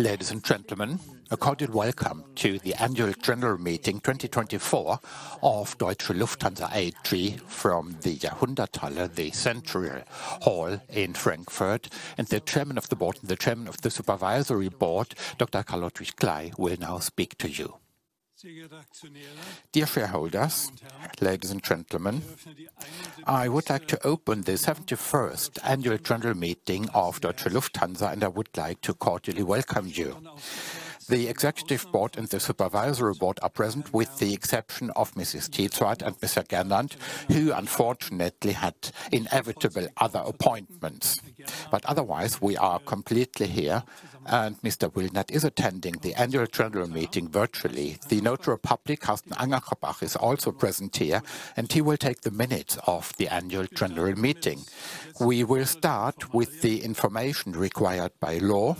Ladies and gentlemen, a cordial welcome to the Annual General Meeting 2024 of Deutsche Lufthansa AG from the Jahrhunderthalle, the Century Hall in Frankfurt. The Chairman of the Board and the Chairman of the Supervisory Board, Dr. Karl-Ludwig Kley, will now speak to you. Dear shareholders, ladies and gentlemen, I would like to open the seventy-first annual general meeting of Deutsche Lufthansa, and I would like to cordially welcome you. The executive board and the supervisory board are present, with the exception of Mrs. Titzrath and Mr. Gernandt, who unfortunately had inevitable other appointments. But otherwise, we are completely here, and Mr. Wilhelm is attending the annual general meeting virtually. The notary public, Carsten Angersbach, is also present here, and he will take the minutes of the annual general meeting. We will start with the information required by law,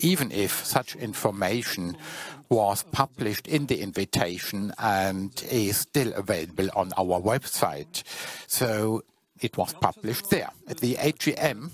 even if such information was published in the invitation and is still available on our website, so it was published there. The AGM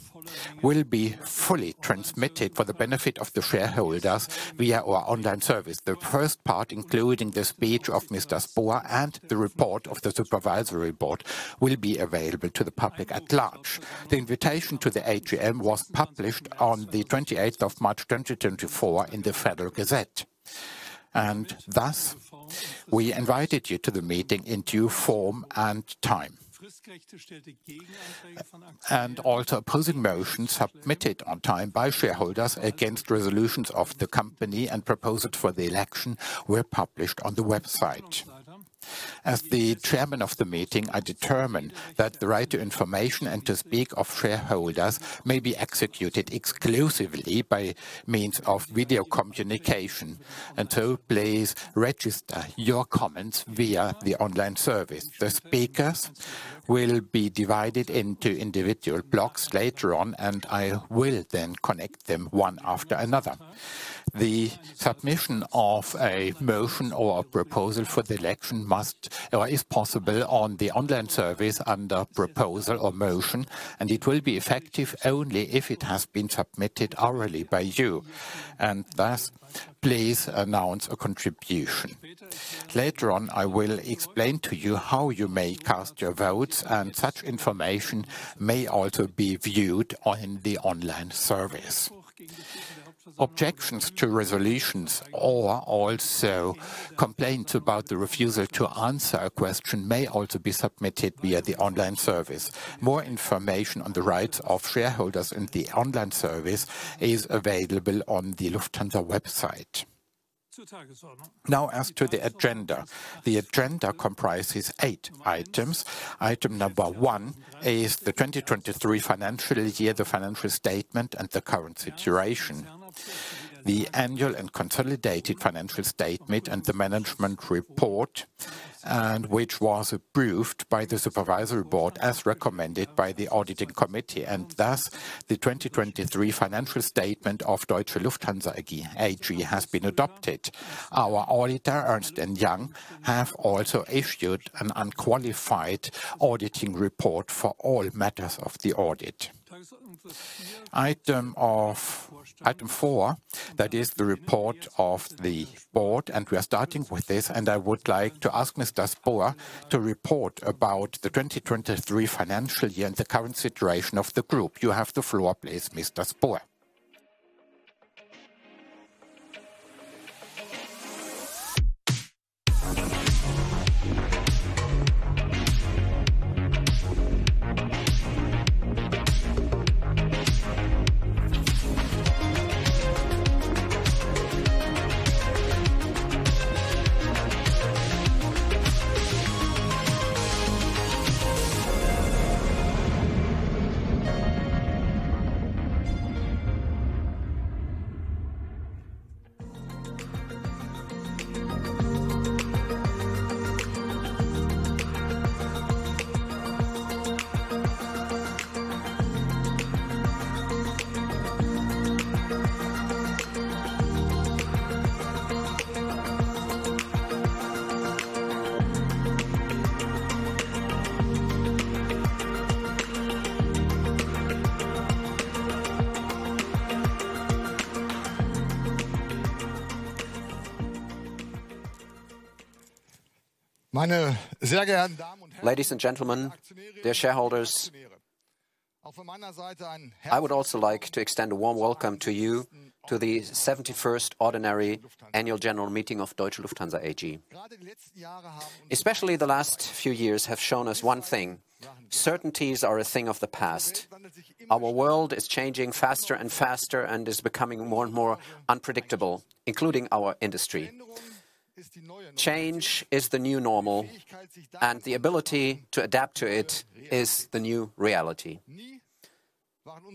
will be fully transmitted for the benefit of the shareholders via our online service. The first part, including the speech of Mr. Spohr and the report of the Supervisory Board will be available to the public at large. The invitation to the AGM was published on the 28th of March 2024 in the Federal Gazette, and thus we invited you to the meeting in due form and time. Also opposing motions submitted on time by shareholders against resolutions of the company and proposals for the election were published on the website. As the Chairman of the meeting, I determine that the right to information and to speak of shareholders may be executed exclusively by means of video communication, and so please register your comments via the online service. The speakers will be divided into individual blocks later on, and I will then connect them one after another. The submission of a motion or proposal for the election must or is possible on the online service under Proposal or Motion, and it will be effective only if it has been submitted orally by you, and thus please announce a contribution. Later on, I will explain to you how you may cast your votes, and such information may also be viewed on the online service. Objections to resolutions or also complaints about the refusal to answer a question may also be submitted via the online service. More information on the rights of shareholders in the online service is available on the Lufthansa website. Now, as to the agenda. The agenda comprises eight items. Item number one is the 2023 financial year, the financial statement, and the current situation. The annual and consolidated financial statement and the management report, and which was approved by the Supervisory Board, as recommended by the auditing committee, and thus the 2023 financial statement of Deutsche Lufthansa AG has been adopted. Our auditor, Ernst & Young, have also issued an unqualified auditing report for all matters of the audit. Item four, that is the report of the board, and we are starting with this, and I would like to ask Mr. Spohr to report about the 2023 financial year and the current situation of the group. You have the floor, please, Mr. Spohr. Ladies and gentlemen, dear shareholders, I would also like to extend a warm welcome to you to the 71st ordinary annual general meeting of Deutsche Lufthansa AG. Especially the last few years have shown us one thing: certainties are a thing of the past. Our world is changing faster and faster and is becoming more and more unpredictable, including our industry. Change is the new normal, and the ability to adapt to it is the new reality.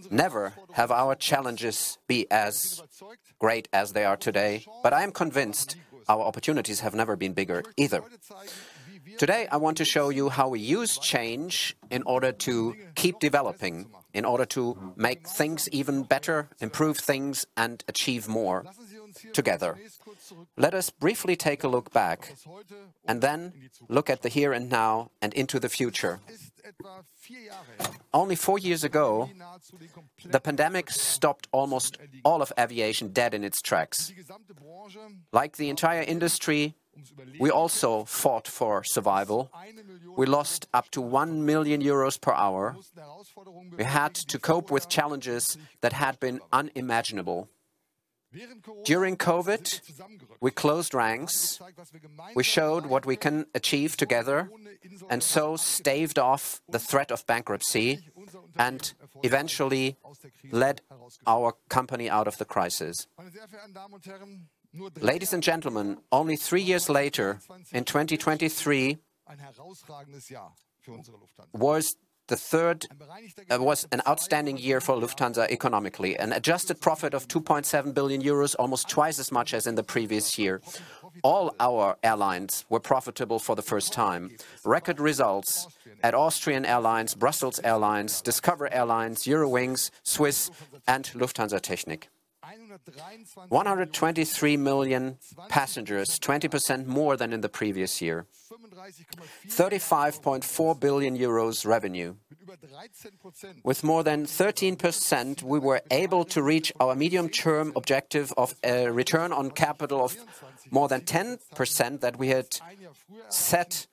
Never have our challenges be as great as they are today, but I am convinced our opportunities have never been bigger either. Today, I want to show you how we use change in order to keep developing, in order to make things even better, improve things, and achieve more together. Let us briefly take a look back and then look at the here and now and into the future.... Only four years ago, the pandemic stopped almost all of aviation dead in its tracks. Like the entire industry, we also fought for survival. We lost up to 1 million euros per hour. We had to cope with challenges that had been unimaginable. During COVID, we closed ranks. We showed what we can achieve together, and so staved off the threat of bankruptcy, and eventually led our company out of the crisis. Ladies and gentlemen, only three years later, in 2023, was an outstanding year for Lufthansa economically. An adjusted profit of 2.7 billion euros, almost twice as much as in the previous year. All our airlines were profitable for the first time. Record results at Austrian Airlines, Brussels Airlines, Discover Airlines, Eurowings, Swiss, and Lufthansa Technik. 123 million passengers, 20% more than in the previous year. 35.4 billion euros revenue. With more than 13%, we were able to reach our medium-term objective of a return on capital of more than 10% that we had set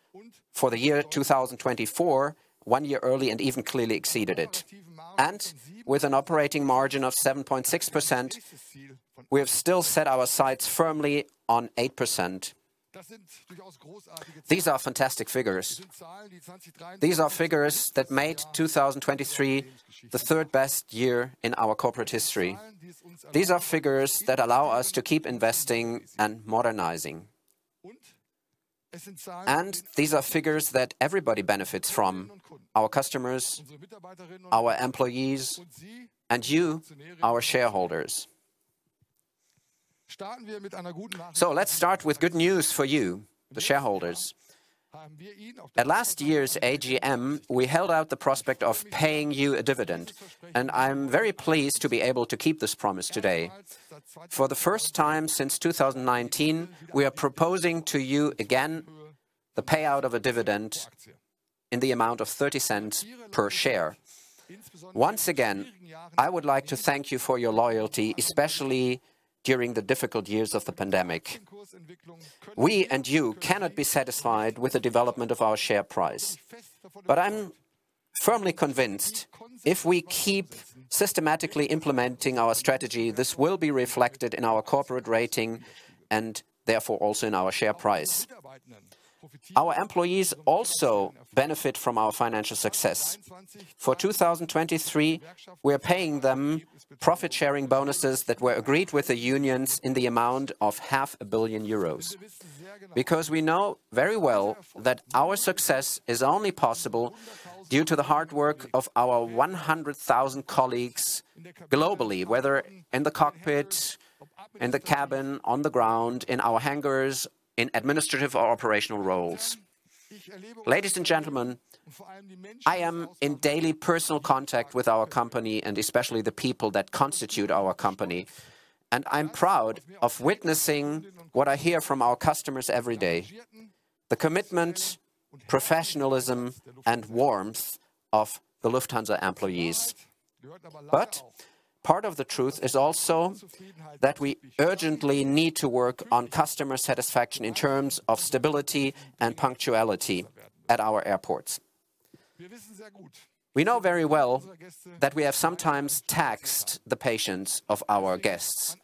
for the year 2024, one year early, and even clearly exceeded it. And with an operating margin of 7.6%, we have still set our sights firmly on 8%. These are fantastic figures. These are figures that made 2023 the third-best year in our corporate history. These are figures that allow us to keep investing and modernizing. And these are figures that everybody benefits from, our customers, our employees, and you, our shareholders. So let's start with good news for you, the shareholders. At last year's AGM, we held out the prospect of paying you a dividend, and I'm very pleased to be able to keep this promise today. For the first time since 2019, we are proposing to you again the payout of a dividend in the amount of 0.30 per share. Once again, I would like to thank you for your loyalty, especially during the difficult years of the pandemic. We and you cannot be satisfied with the development of our share price, but I'm firmly convinced if we keep systematically implementing our strategy, this will be reflected in our corporate rating and therefore also in our share price. Our employees also benefit from our financial success. For 2023, we're paying them profit-sharing bonuses that were agreed with the unions in the amount of 500 million euros. Because we know very well that our success is only possible due to the hard work of our 100,000 colleagues globally, whether in the cockpit, in the cabin, on the ground, in our hangars, in administrative or operational roles. Ladies and gentlemen, I am in daily personal contact with our company and especially the people that constitute our company, and I'm proud of witnessing what I hear from our customers every day, the commitment, professionalism, and warmth of the Lufthansa employees. But part of the truth is also that we urgently need to work on customer satisfaction in terms of stability and punctuality at our airports. We know very well that we have sometimes taxed the patience of our guests.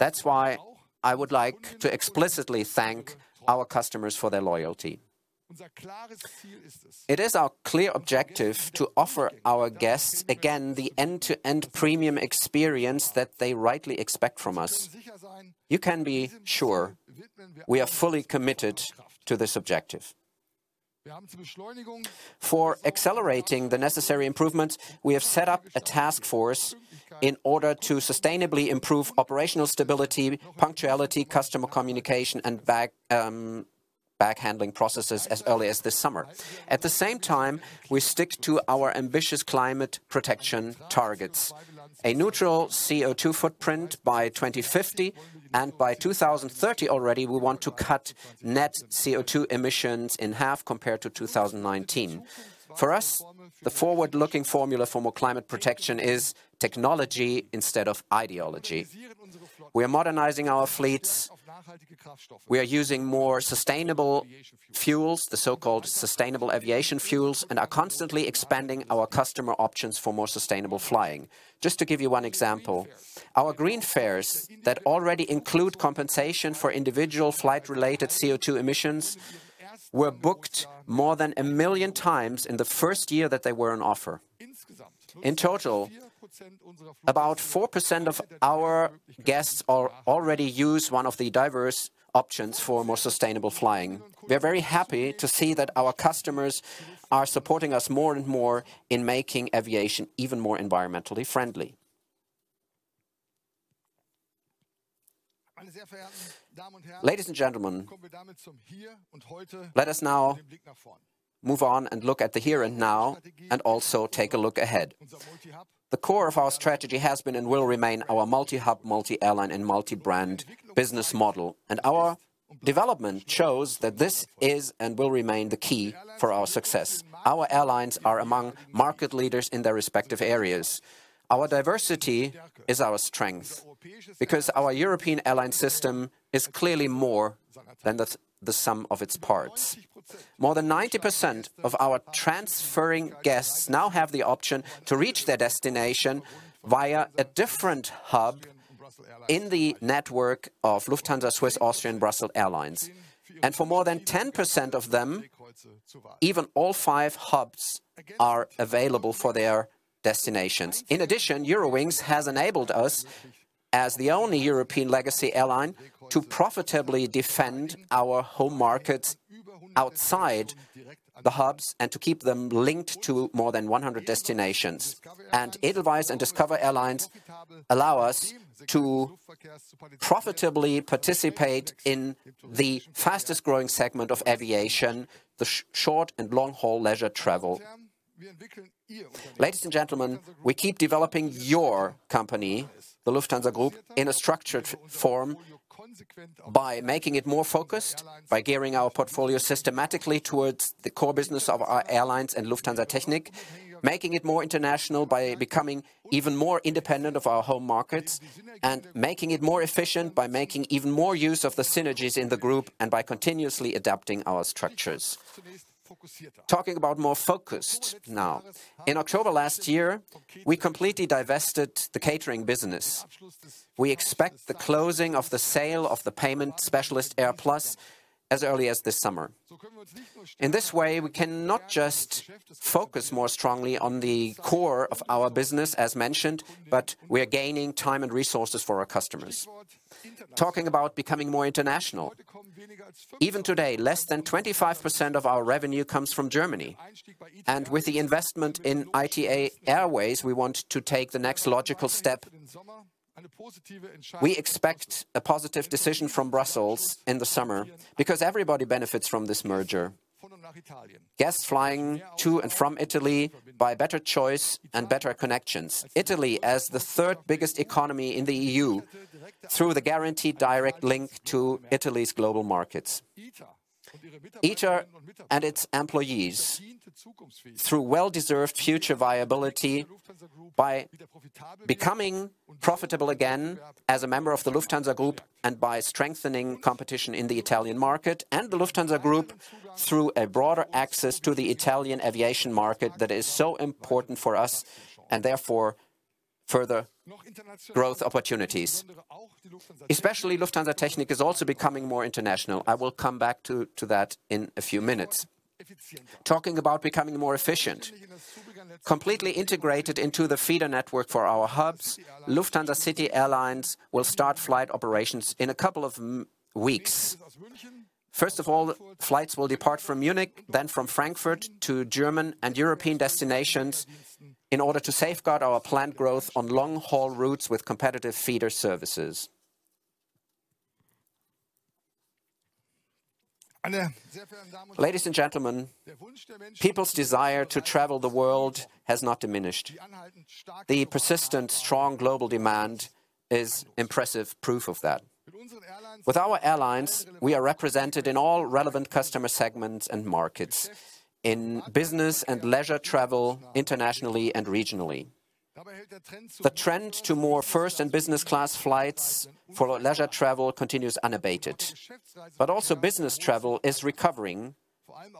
That's why I would like to explicitly thank our customers for their loyalty. It is our clear objective to offer our guests, again, the end-to-end premium experience that they rightly expect from us. You can be sure we are fully committed to this objective. For accelerating the necessary improvements, we have set up a task force in order to sustainably improve operational stability, punctuality, customer communication, and bag handling processes as early as this summer. At the same time, we stick to our ambitious climate protection targets, a neutral CO2 footprint by 2050, and by 2030 already, we want to cut net CO2 emissions in half compared to 2019. For us, the forward-looking formula for more climate protection is technology instead of ideology. We are modernizing our fleets. We are using more sustainable fuels, the so-called sustainable aviation fuels, and are constantly expanding our customer options for more sustainable flying. Just to give you one example, our Green Fares that already include compensation for individual flight-related CO2 emissions were booked more than 1 million times in the first year that they were on offer. In total, about 4% of our guests already use one of the diverse options for more sustainable flying. We're very happy to see that our customers are supporting us more and more in making aviation even more environmentally friendly. Ladies and gentlemen, let us now move on and look at the here and now, and also take a look ahead. The core of our strategy has been and will remain our multi-hub, multi-airline, and multi-brand business model, and our development shows that this is and will remain the key for our success. Our airlines are among market leaders in their respective areas. Our diversity is our strength, because our European airline system is clearly more than the sum of its parts. More than 90% of our transferring guests now have the option to reach their destination via a different hub in the network of Lufthansa, Swiss, Austrian, Brussels Airlines. And for more than 10% of them, even all five hubs are available for their destinations. In addition, Eurowings has enabled us, as the only European legacy airline, to profitably defend our home markets outside the hubs and to keep them linked to more than 100 destinations. And Edelweiss and Discover Airlines allow us to profitably participate in the fastest-growing segment of aviation, the short and long-haul leisure travel. Ladies and gentlemen, we keep developing your company, the Lufthansa Group, in a structured form by making it more focused, by gearing our portfolio systematically towards the core business of our airlines and Lufthansa Technik. Making it more international by becoming even more independent of our home markets, and making it more efficient by making even more use of the synergies in the group, and by continuously adapting our structures. Talking about more focused now. In October last year, we completely divested the catering business. We expect the closing of the sale of the payment specialist, AirPlus, as early as this summer. In this way, we can not just focus more strongly on the core of our business, as mentioned, but we are gaining time and resources for our customers. Talking about becoming more international. Even today, less than 25% of our revenue comes from Germany, and with the investment in ITA Airways, we want to take the next logical step. We expect a positive decision from Brussels in the summer, because everybody benefits from this merger. Guests flying to and from Italy by better choice and better connections. Italy, as the third biggest economy in the EU, through the guaranteed direct link to Italy's global markets. ITA and its employees, through well-deserved future viability by becoming profitable again as a member of the Lufthansa Group, and by strengthening competition in the Italian market, and the Lufthansa Group through a broader access to the Italian aviation market that is so important for us, and therefore further growth opportunities. Especially Lufthansa Technik is also becoming more international. I will come back to that in a few minutes. Talking about becoming more efficient. Completely integrated into the feeder network for our hubs, Lufthansa City Airlines will start flight operations in a couple of weeks. First of all, flights will depart from Munich, then from Frankfurt to German and European destinations in order to safeguard our planned growth on long-haul routes with competitive feeder services. Ladies and gentlemen, people's desire to travel the world has not diminished. The persistent, strong global demand is impressive proof of that. With our airlines, we are represented in all relevant customer segments and markets, in business and leisure travel, internationally and regionally. The trend to more first and business class flights for leisure travel continues unabated, but also business travel is recovering,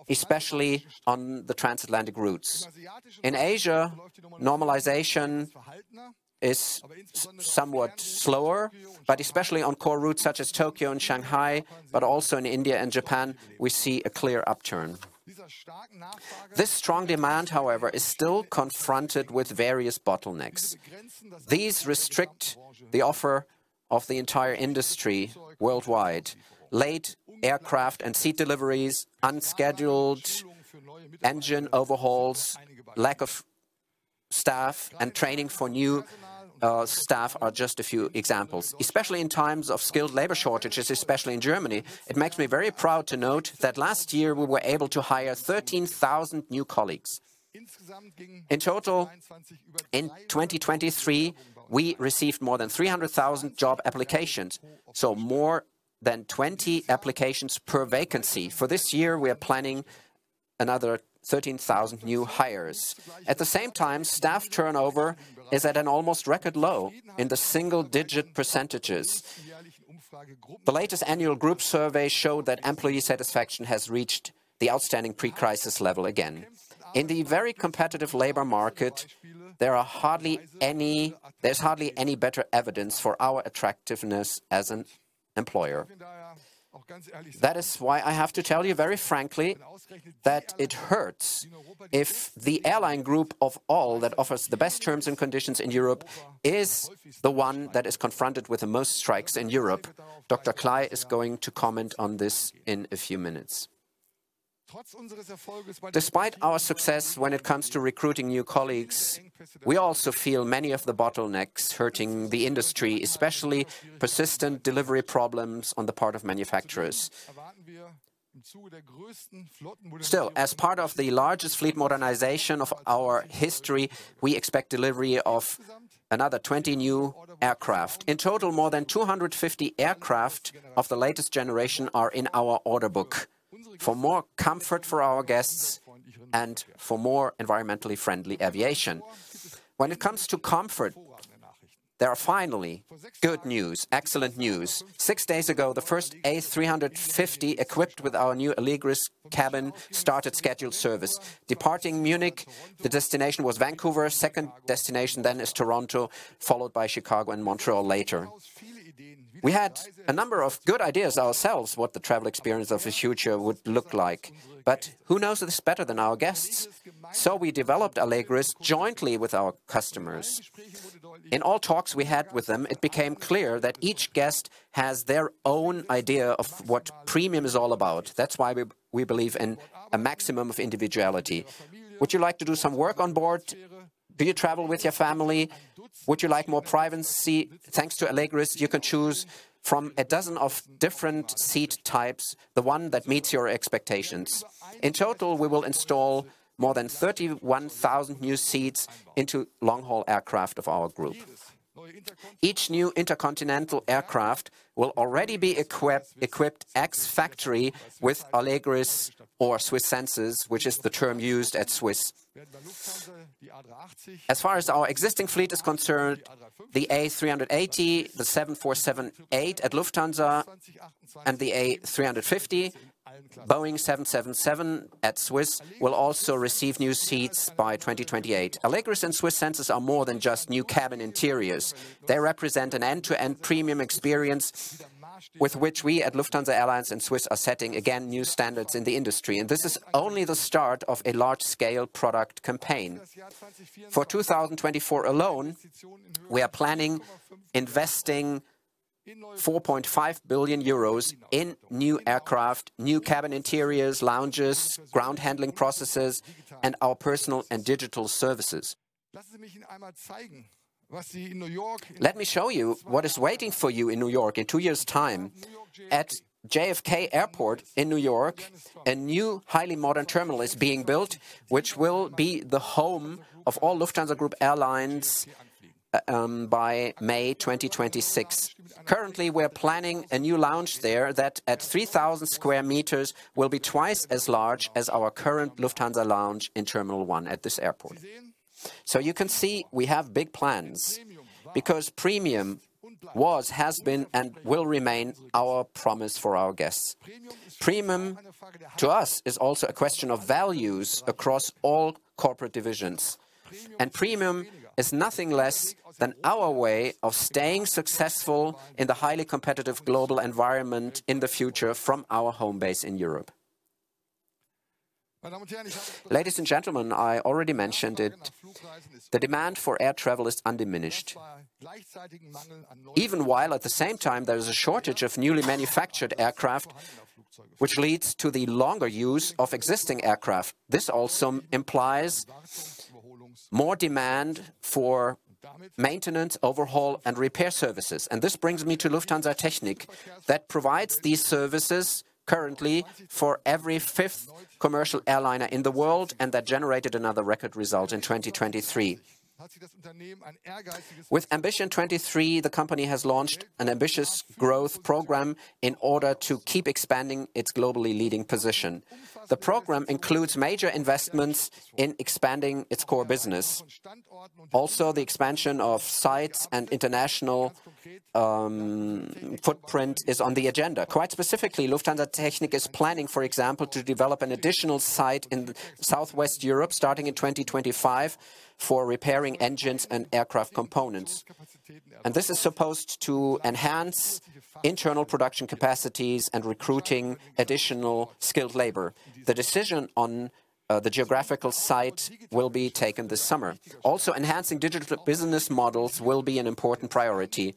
especially on the transatlantic routes. In Asia, normalization is somewhat slower, but especially on core routes such as Tokyo and Shanghai, but also in India and Japan, we see a clear upturn. This strong demand, however, is still confronted with various bottlenecks. These restrict the offer of the entire industry worldwide. Late aircraft and seat deliveries, unscheduled engine overhauls, lack of staff and training for new staff are just a few examples. Especially in times of skilled labor shortages, especially in Germany, it makes me very proud to note that last year we were able to hire 13,000 new colleagues. In total, in 2023, we received more than 300,000 job applications, so more than 20 applications per vacancy. For this year, we are planning another 13,000 new hires. At the same time, staff turnover is at an almost record low, in the single-digit percentages. The latest annual group survey showed that employee satisfaction has reached the outstanding pre-crisis level again. In the very competitive labor market, there's hardly any better evidence for our attractiveness as an employer. That is why I have to tell you very frankly that it hurts if the airline group of all that offers the best terms and conditions in Europe is the one that is confronted with the most strikes in Europe. Dr. Kley is going to comment on this in a few minutes. Despite our success when it comes to recruiting new colleagues, we also feel many of the bottlenecks hurting the industry, especially persistent delivery problems on the part of manufacturers. Still, as part of the largest fleet modernization of our history, we expect delivery of another 20 new aircraft. In total, more than 250 aircraft of the latest generation are in our order book, for more comfort for our guests and for more environmentally friendly aviation. When it comes to comfort, there are finally good news, excellent news. Six days ago, the first A350, equipped with our new Allegris cabin, started scheduled service. Departing Munich, the destination was Vancouver. Second destination then is Toronto, followed by Chicago and Montreal later. We had a number of good ideas ourselves what the travel experience of the future would look like, but who knows this better than our guests? So we developed Allegris jointly with our customers. In all talks we had with them, it became clear that each guest has their own idea of what premium is all about. That's why we, we believe in a maximum of individuality. Would you like to do some work on board? Do you travel with your family? Would you like more privacy? Thanks to Allegris, you can choose from a dozen of different seat types, the one that meets your expectations. In total, we will install more than 31,000 new seats into long-haul aircraft of our group. Each new intercontinental aircraft will already be equipped ex-factory with Allegris or SWISS Senses, which is the term used at Swiss. As far as our existing fleet is concerned, the A380, the 747-8 at Lufthansa, and the A350, Boeing 777 at Swiss will also receive new seats by 2028. Allegris and SWISS Senses are more than just new cabin interiors. They represent an end-to-end premium experience, with which we at Lufthansa Airlines and Swiss are setting, again, new standards in the industry, and this is only the start of a large-scale product campaign. For 2024 alone, we are planning investing 4.5 billion euros in new aircraft, new cabin interiors, lounges, ground handling processes, and our personal and digital services. Let me show you what is waiting for you in New York in 2 years' time. At JFK Airport in New York, a new highly modern terminal is being built, which will be the home of all Lufthansa Group airlines, by May 2026. Currently, we're planning a new lounge there that, at 3,000 square meters, will be twice as large as our current Lufthansa lounge in Terminal 1 at this airport. So you can see we have big plans because premium was, has been, and will remain our promise for our guests. Premium, to us, is also a question of values across all corporate divisions, and premium is nothing less than our way of staying successful in the highly competitive global environment in the future from our home base in Europe. Ladies and gentlemen, I already mentioned it, the demand for air travel is undiminished. Even while, at the same time, there is a shortage of newly manufactured aircraft, which leads to the longer use of existing aircraft. This also implies more demand for maintenance, overhaul, and repair services, and this brings me to Lufthansa Technik that provides these services currently for every fifth commercial airliner in the world, and that generated another record result in 2023. With Ambition '23, the company has launched an ambitious growth program in order to keep expanding its globally leading position. The program includes major investments in expanding its core business. Also, the expansion of sites and international footprint is on the agenda. Quite specifically, Lufthansa Technik is planning, for example, to develop an additional site in Southwest Europe, starting in 2025, for repairing engines and aircraft components. And this is supposed to enhance internal production capacities and recruiting additional skilled labor. The decision on the geographical site will be taken this summer. Also, enhancing digital business models will be an important priority.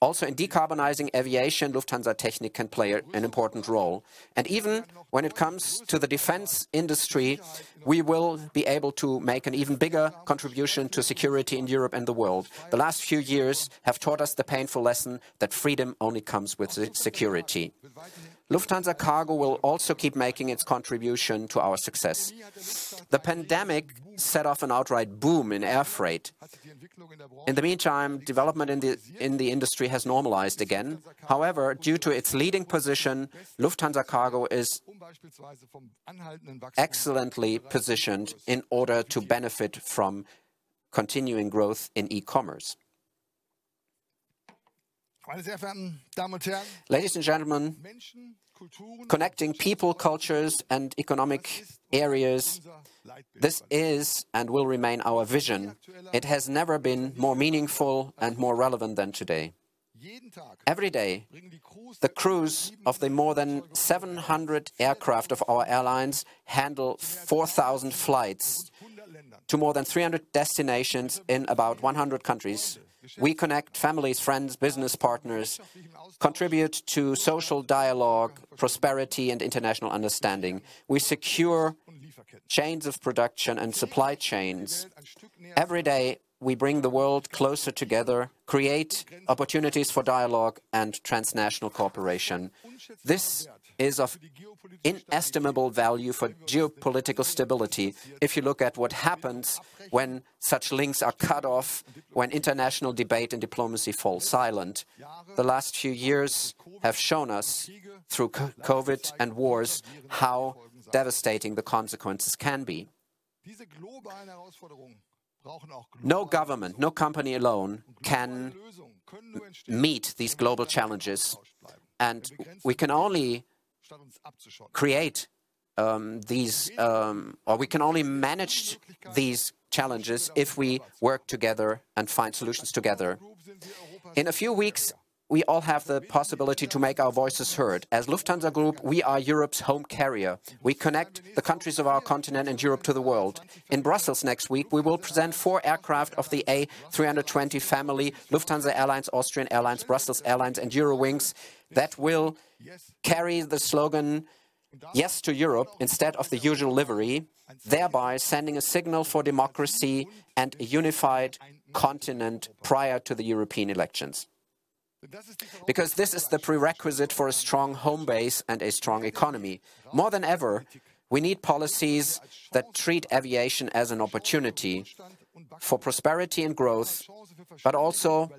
Also, in decarbonizing aviation, Lufthansa Technik can play an important role. And even when it comes to the defense industry, we will be able to make an even bigger contribution to security in Europe and the world. The last few years have taught us the painful lesson that freedom only comes with security. Lufthansa Cargo will also keep making its contribution to our success. The pandemic set off an outright boom in air freight. In the meantime, development in the industry has normalized again. However, due to its leading position, Lufthansa Cargo is excellently positioned in order to benefit from continuing growth in e-commerce. Ladies and gentlemen, connecting people, cultures, and economic areas, this is and will remain our vision. It has never been more meaningful and more relevant than today. Every day, the crews of the more than 700 aircraft of our airlines handle 4,000 flights to more than 300 destinations in about 100 countries. We connect families, friends, business partners, contribute to social dialogue, prosperity, and international understanding. We secure chains of production and supply chains. Every day, we bring the world closer together, create opportunities for dialogue and transnational cooperation. This is of inestimable value for geopolitical stability. If you look at what happens when such links are cut off, when international debate and diplomacy fall silent, the last few years have shown us through COVID and wars how devastating the consequences can be. No government, no company alone can meet these global challenges, and we can only create these or we can only manage these challenges if we work together and find solutions together. In a few weeks, we all have the possibility to make our voices heard. As Lufthansa Group, we are Europe's home carrier. We connect the countries of our continent and Europe to the world. In Brussels next week, we will present four aircraft of the A320 family, Lufthansa Airlines, Austrian Airlines, Brussels Airlines and Eurowings, that will carry the slogan, "Yes to Europe," instead of the usual livery, thereby sending a signal for democracy and a unified continent prior to the European elections. Because this is the prerequisite for a strong home base and a strong economy. More than ever, we need policies that treat aviation as an opportunity for prosperity and growth, but also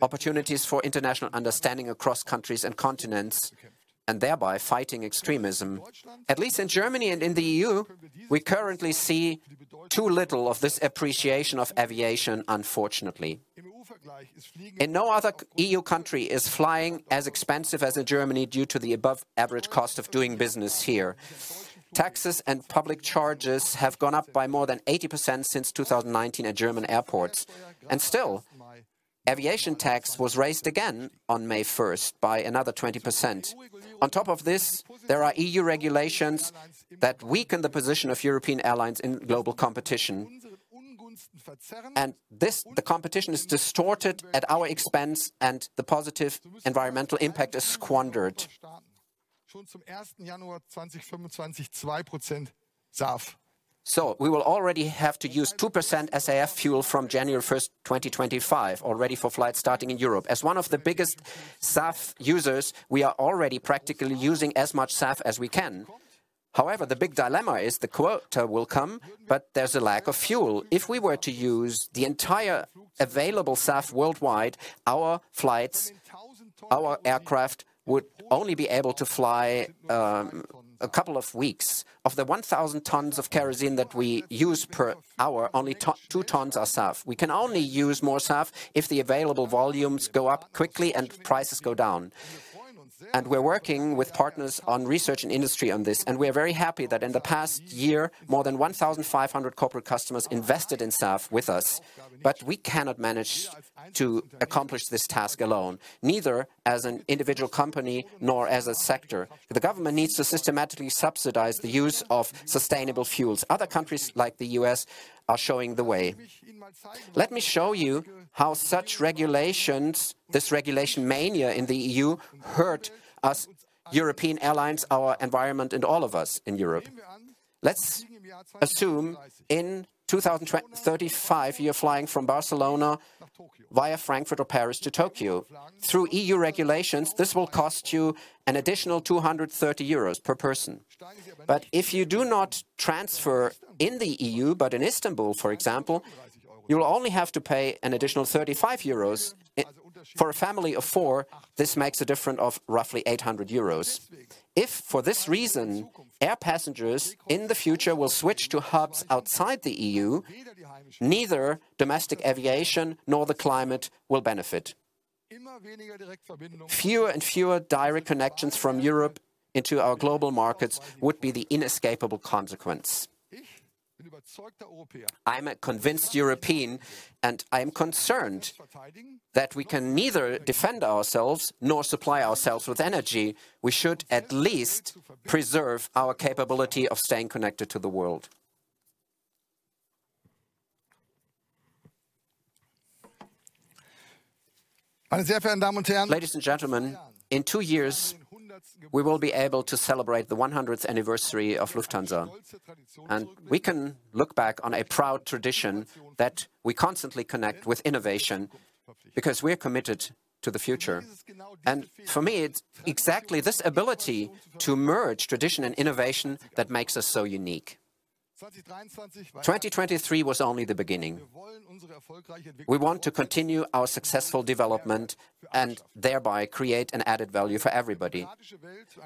opportunities for international understanding across countries and continents, and thereby fighting extremism. At least in Germany and in the EU, we currently see too little of this appreciation of aviation, unfortunately. In no other EU country is flying as expensive as in Germany, due to the above average cost of doing business here. Taxes and public charges have gone up by more than 80% since 2019 at German airports, and still, aviation tax was raised again on May 1 by another 20%. On top of this, there are EU regulations that weaken the position of European airlines in global competition. And this, the competition is distorted at our expense, and the positive environmental impact is squandered. So we will already have to use 2% SAF fuel from January 1, 2025, already for flights starting in Europe. As one of the biggest SAF users, we are already practically using as much SAF as we can. However, the big dilemma is the quota will come, but there's a lack of fuel. If we were to use the entire available SAF worldwide, our flights, our aircraft, would only be able to fly, a couple of weeks. Of the 1,000 tons of kerosene that we use per hour, only 2 tons are SAF. We can only use more SAF if the available volumes go up quickly and prices go down. We're working with partners on research and industry on this, and we are very happy that in the past year, more than 1,500 corporate customers invested in SAF with us. But we cannot manage to accomplish this task alone, neither as an individual company nor as a sector. The government needs to systematically subsidize the use of sustainable fuels. Other countries, like the U.S., are showing the way. Let me show you how such regulations, this regulation mania in the E.U., hurt us European airlines, our environment, and all of us in Europe. Let's assume in 2035, you're flying from Barcelona via Frankfurt or Paris to Tokyo. Through EU regulations, this will cost you an additional 230 euros per person. But if you do not transfer in the EU, but in Istanbul, for example, you will only have to pay an additional 35 euros. For a family of four, this makes a difference of roughly 800 euros. If, for this reason, air passengers in the future will switch to hubs outside the EU, neither domestic aviation nor the climate will benefit. Fewer and fewer direct connections from Europe into our global markets would be the inescapable consequence. I'm a convinced European, and I'm concerned that we can neither defend ourselves nor supply ourselves with energy. We should at least preserve our capability of staying connected to the world. Ladies and gentlemen, in two years, we will be able to celebrate the 100th anniversary of Lufthansa, and we can look back on a proud tradition that we constantly connect with innovation because we are committed to the future. And for me, it's exactly this ability to merge tradition and innovation that makes us so unique. 2023 was only the beginning. We want to continue our successful development and thereby create an added value for everybody,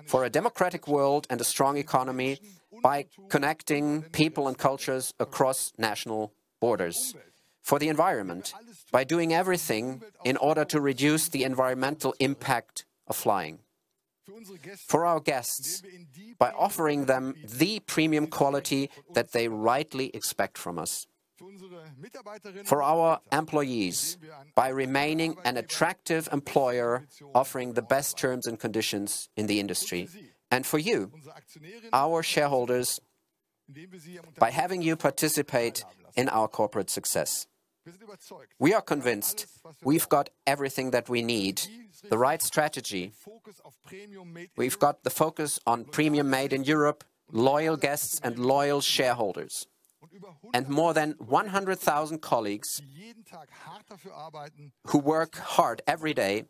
for a democratic world, and a strong economy by connecting people and cultures across national borders. For the environment, by doing everything in order to reduce the environmental impact of flying. For our guests, by offering them the premium quality that they rightly expect from us. For our employees, by remaining an attractive employer, offering the best terms and conditions in the industry. For you, our shareholders, by having you participate in our corporate success.... We are convinced we've got everything that we need, the right strategy. We've got the focus on premium made in Europe, loyal guests and loyal shareholders, and more than 100,000 colleagues who work hard every day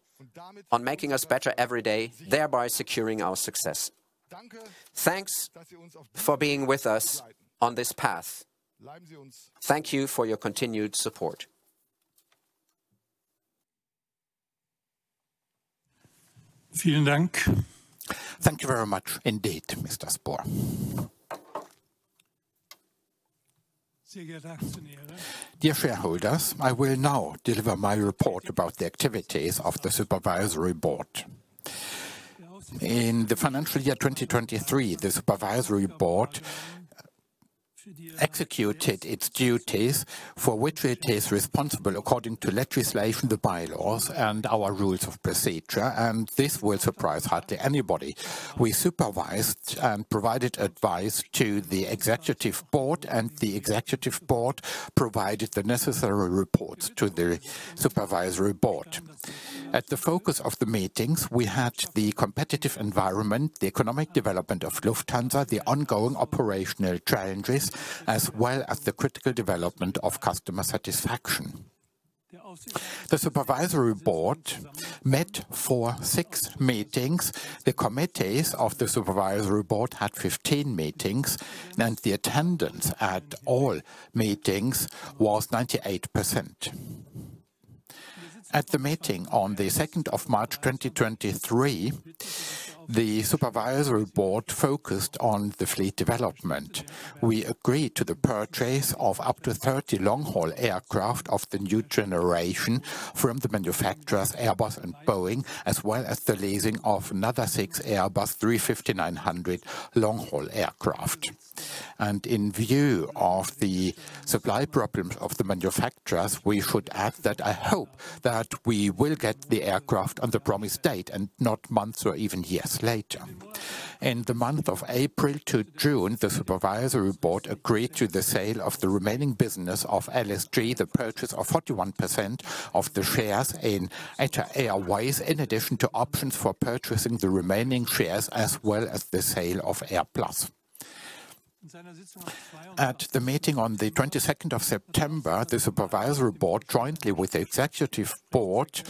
on making us better every day, thereby securing our success. Thanks for being with us on this path. Thank you for your continued support. Thank you very much indeed, Mr. Spohr. Dear shareholders, I will now deliver my report about the activities of the Supervisory Board. In the financial year 2023, the Supervisory Board executed its duties for which it is responsible according to legislation, the bylaws, and our rules of procedure, and this will surprise hardly anybody. We supervised and provided advice to the Executive Board, and the Executive Board provided the necessary reports to the Supervisory Board. At the focus of the meetings, we had the competitive environment, the economic development of Lufthansa, the ongoing operational challenges, as well as the critical development of customer satisfaction. The Supervisory Board met for 6 meetings. The committees of the Supervisory Board had 15 meetings, and the attendance at all meetings was 98%. At the meeting on the second of March, 2023, the Supervisory Board focused on the fleet development. We agreed to the purchase of up to 30 long-haul aircraft of the new generation from the manufacturers Airbus and Boeing, as well as the leasing of another 6 Airbus 350-900 long-haul aircraft. In view of the supply problems of the manufacturers, we should add that I hope that we will get the aircraft on the promised date and not months or even years later. In the month of April to June, the Supervisory Board agreed to the sale of the remaining business of LSG, the purchase of 41% of the shares in ITA Airways, in addition to options for purchasing the remaining shares, as well as the sale of AirPlus. At the meeting on the 22nd of September, the Supervisory Board, jointly with the Executive Board,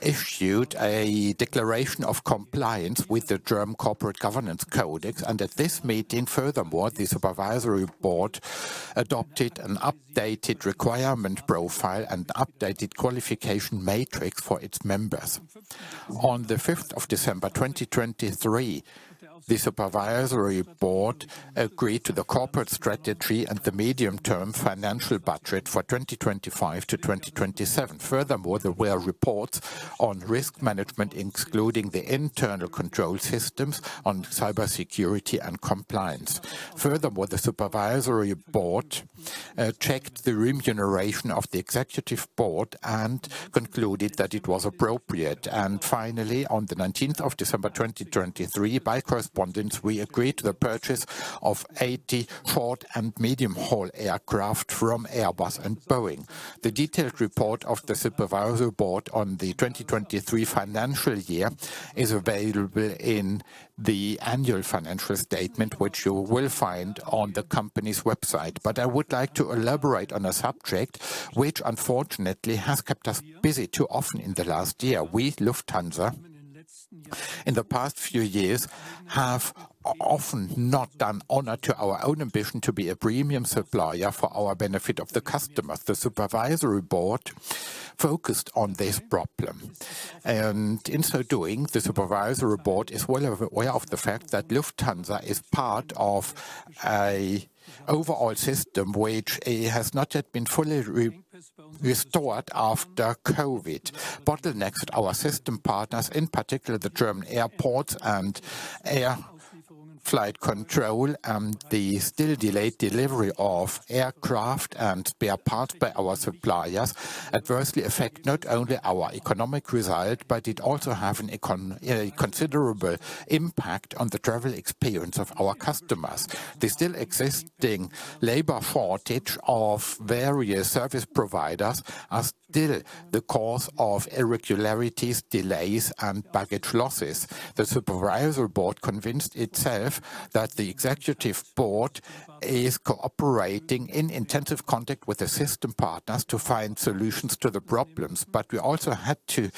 issued a declaration of compliance with the German Corporate Governance Code, and at this meeting furthermore, the Supervisory Board adopted an updated requirement profile and updated qualification matrix for its members. On the 5th of December, 2023, the Supervisory Board agreed to the corporate strategy and the medium-term financial budget for 2025 to 2027. Furthermore, there were reports on risk management, including the internal control systems on cybersecurity and compliance. Furthermore, the Supervisory Board checked the remuneration of the Executive Board and concluded that it was appropriate. Finally, on the 19th of December, 2023, by correspondence, we agreed to the purchase of 80 short and medium-haul aircraft from Airbus and Boeing. The detailed report of the Supervisory Board on the 2023 financial year is available in the annual financial statement, which you will find on the company's website. But I would like to elaborate on a subject which unfortunately has kept us busy too often in the last year. We, Lufthansa, in the past few years, have often not done honor to our own ambition to be a premium supplier for our benefit of the customers. The Supervisory Board focused on this problem, and in so doing, the Supervisory Board is well aware of the fact that Lufthansa is part of an overall system which has not yet been fully restored after COVID. Bottlenecks at our system partners, in particular, the German airports and air flight control, and the still delayed delivery of aircraft and spare parts by our suppliers, adversely affect not only our economic result, but it also have a considerable impact on the travel experience of our customers. The still existing labor shortage of various service providers are still the cause of irregularities, delays, and baggage losses. The Supervisory Board convinced itself that the Executive Board is cooperating in intensive contact with the system partners to find solutions to the problems. But we also had to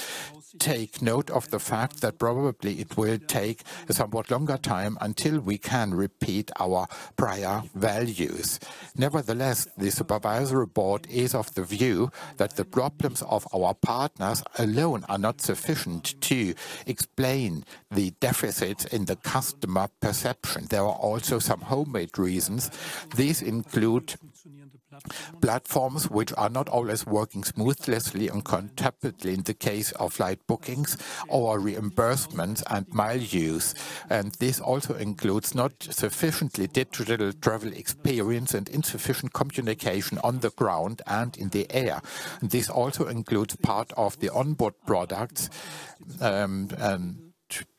take note of the fact that probably it will take a somewhat longer time until we can repeat our prior values. Nevertheless, the Supervisory Board is of the view that the problems of our partners alone are not sufficient to explain the deficits in the customer perception. There are also some homemade reasons. These include platforms which are not always working smoothly and competently in the case of flight bookings or reimbursements and mile use. This also includes not sufficiently digital travel experience and insufficient communication on the ground and in the air. This also includes part of the onboard products.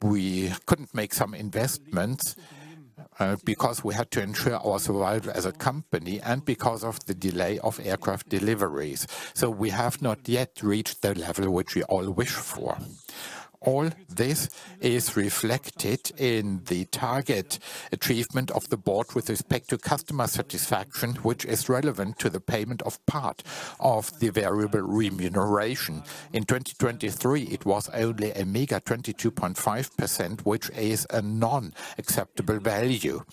We couldn't make some investments because we had to ensure our survival as a company and because of the delay of aircraft deliveries. We have not yet reached the level which we all wish for. All this is reflected in the target achievement of the board with respect to customer satisfaction, which is relevant to the payment of part of the variable remuneration. In 2023, it was only a meager 22.5%, which is an unacceptable value.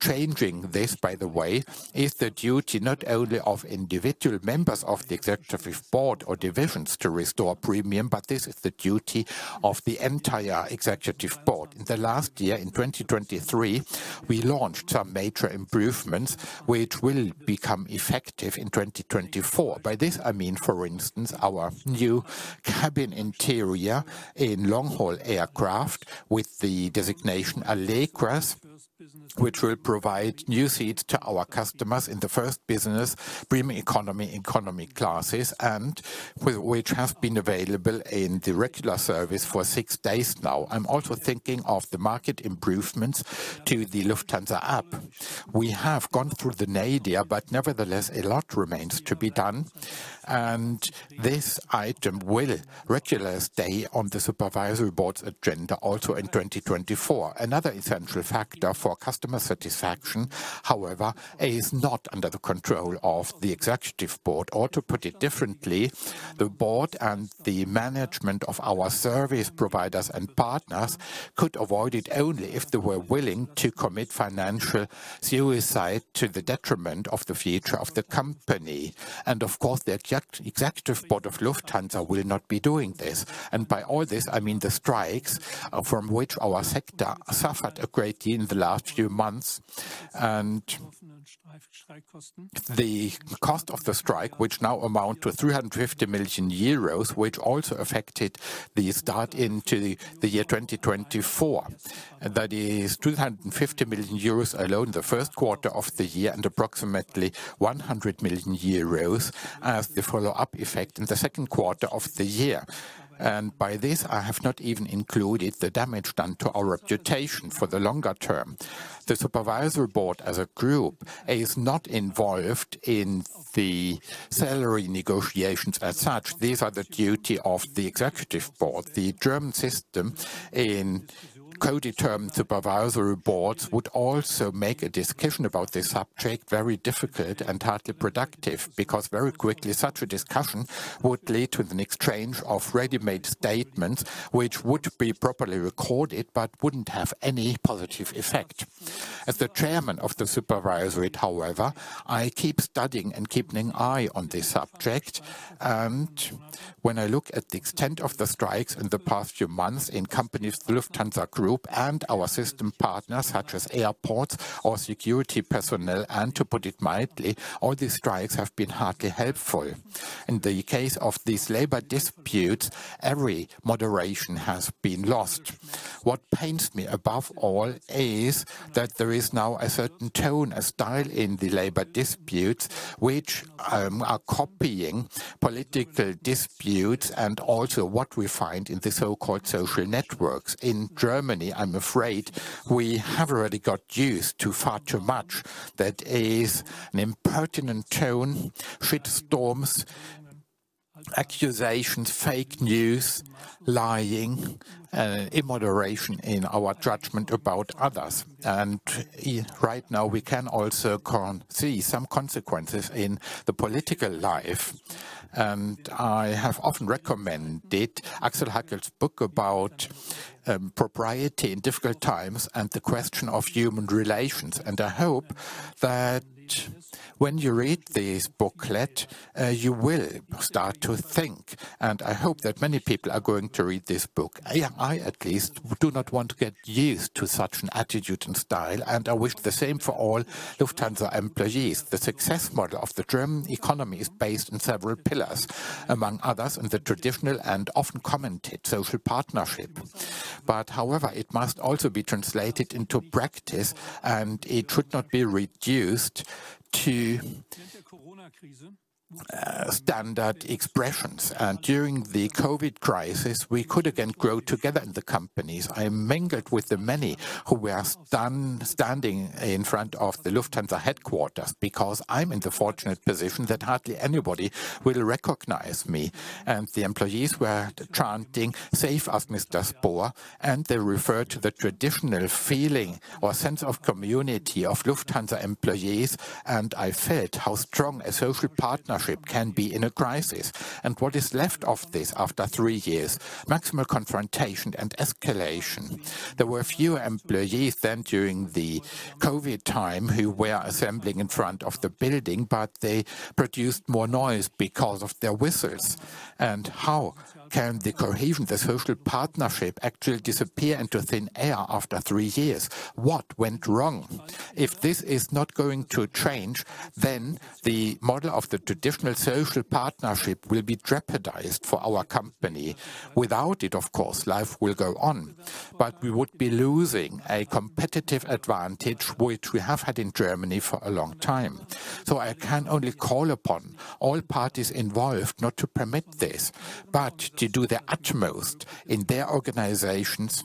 Changing this, by the way, is the duty not only of individual members of the Executive Board or divisions to restore premium, but this is the duty of the entire Executive Board. In the last year, in 2023, we launched some major improvements, which will become effective in 2024. By this, I mean, for instance, our new cabin interior in long-haul aircraft with the designation Allegris, which will provide new seats to our customers in the first business, premium economy, economy classes, and which have been available in the regular service for six days now. I'm also thinking of the mobile improvements to the Lufthansa App. We have gone through the nadir, but nevertheless, a lot remains to be done, and this item will regularly stay on the Supervisory Board's agenda also in 2024. Another essential factor for customer satisfaction, however, is not under the control of the executive board, or to put it differently, the board and the management of our service providers and partners could avoid it only if they were willing to commit financial suicide to the detriment of the future of the company. And of course, the executive board of Lufthansa will not be doing this. And by all this, I mean the strikes, from which our sector suffered a great deal in the last few months. And the cost of the strike, which now amount to 350 million euros, which also affected the start into the year 2024. That is 250 million euros alone in the first quarter of the year and approximately 100 million euros as the follow-up effect in the second quarter of the year. And by this, I have not even included the damage done to our reputation for the longer term. The Supervisory Board, as a group, is not involved in the salary negotiations as such. These are the duty of the Executive Board. The German system in co-determined Supervisory Boards would also make a discussion about this subject very difficult and hardly productive, because very quickly, such a discussion would lead to an exchange of ready-made statements, which would be properly recorded but wouldn't have any positive effect. As the chairman of the Supervisory Board, however, I keep studying and keeping an eye on this subject. And when I look at the extent of the strikes in the past few months in companies, the Lufthansa Group, and our system partners, such as airports or security personnel, and to put it mildly, all these strikes have been hardly helpful. In the case of these labor disputes, every moderation has been lost. What pains me above all is that there is now a certain tone and style in the labor disputes, which are copying political disputes and also what we find in the so-called social networks. In Germany, I'm afraid, we have already got used to far too much. That is an impertinent tone, shit storms, accusations, fake news, lying, and immoderation in our judgment about others. And right now, we can also see some consequences in the political life. And I have often recommended Axel Hacke's book about propriety in difficult times and the question of human relations. And I hope that when you read this booklet, you will start to think, and I hope that many people are going to read this book. I, at least, do not want to get used to such an attitude and style, and I wish the same for all Lufthansa employees. The success model of the German economy is based on several pillars, among others, in the traditional and often commented social partnership. But however, it must also be translated into practice, and it should not be reduced to standard expressions. And during the COVID crisis, we could again grow together in the companies. I mingled with the many who were standing in front of the Lufthansa headquarters because I'm in the fortunate position that hardly anybody will recognize me. And the employees were chanting, "Save us, Mr. Spohr," and they referred to the traditional feeling or sense of community of Lufthansa employees, and I felt how strong a social partnership can be in a crisis. And what is left of this after three years? Maximal confrontation and escalation. There were fewer employees than during the COVID time who were assembling in front of the building, but they produced more noise because of their whistles. How can the cohesion, the social partnership, actually disappear into thin air after three years? What went wrong? If this is not going to change, then the model of the traditional social partnership will be jeopardized for our company. Without it, of course, life will go on, but we would be losing a competitive advantage, which we have had in Germany for a long time. I can only call upon all parties involved not to permit this, but to do their utmost in their organizations ...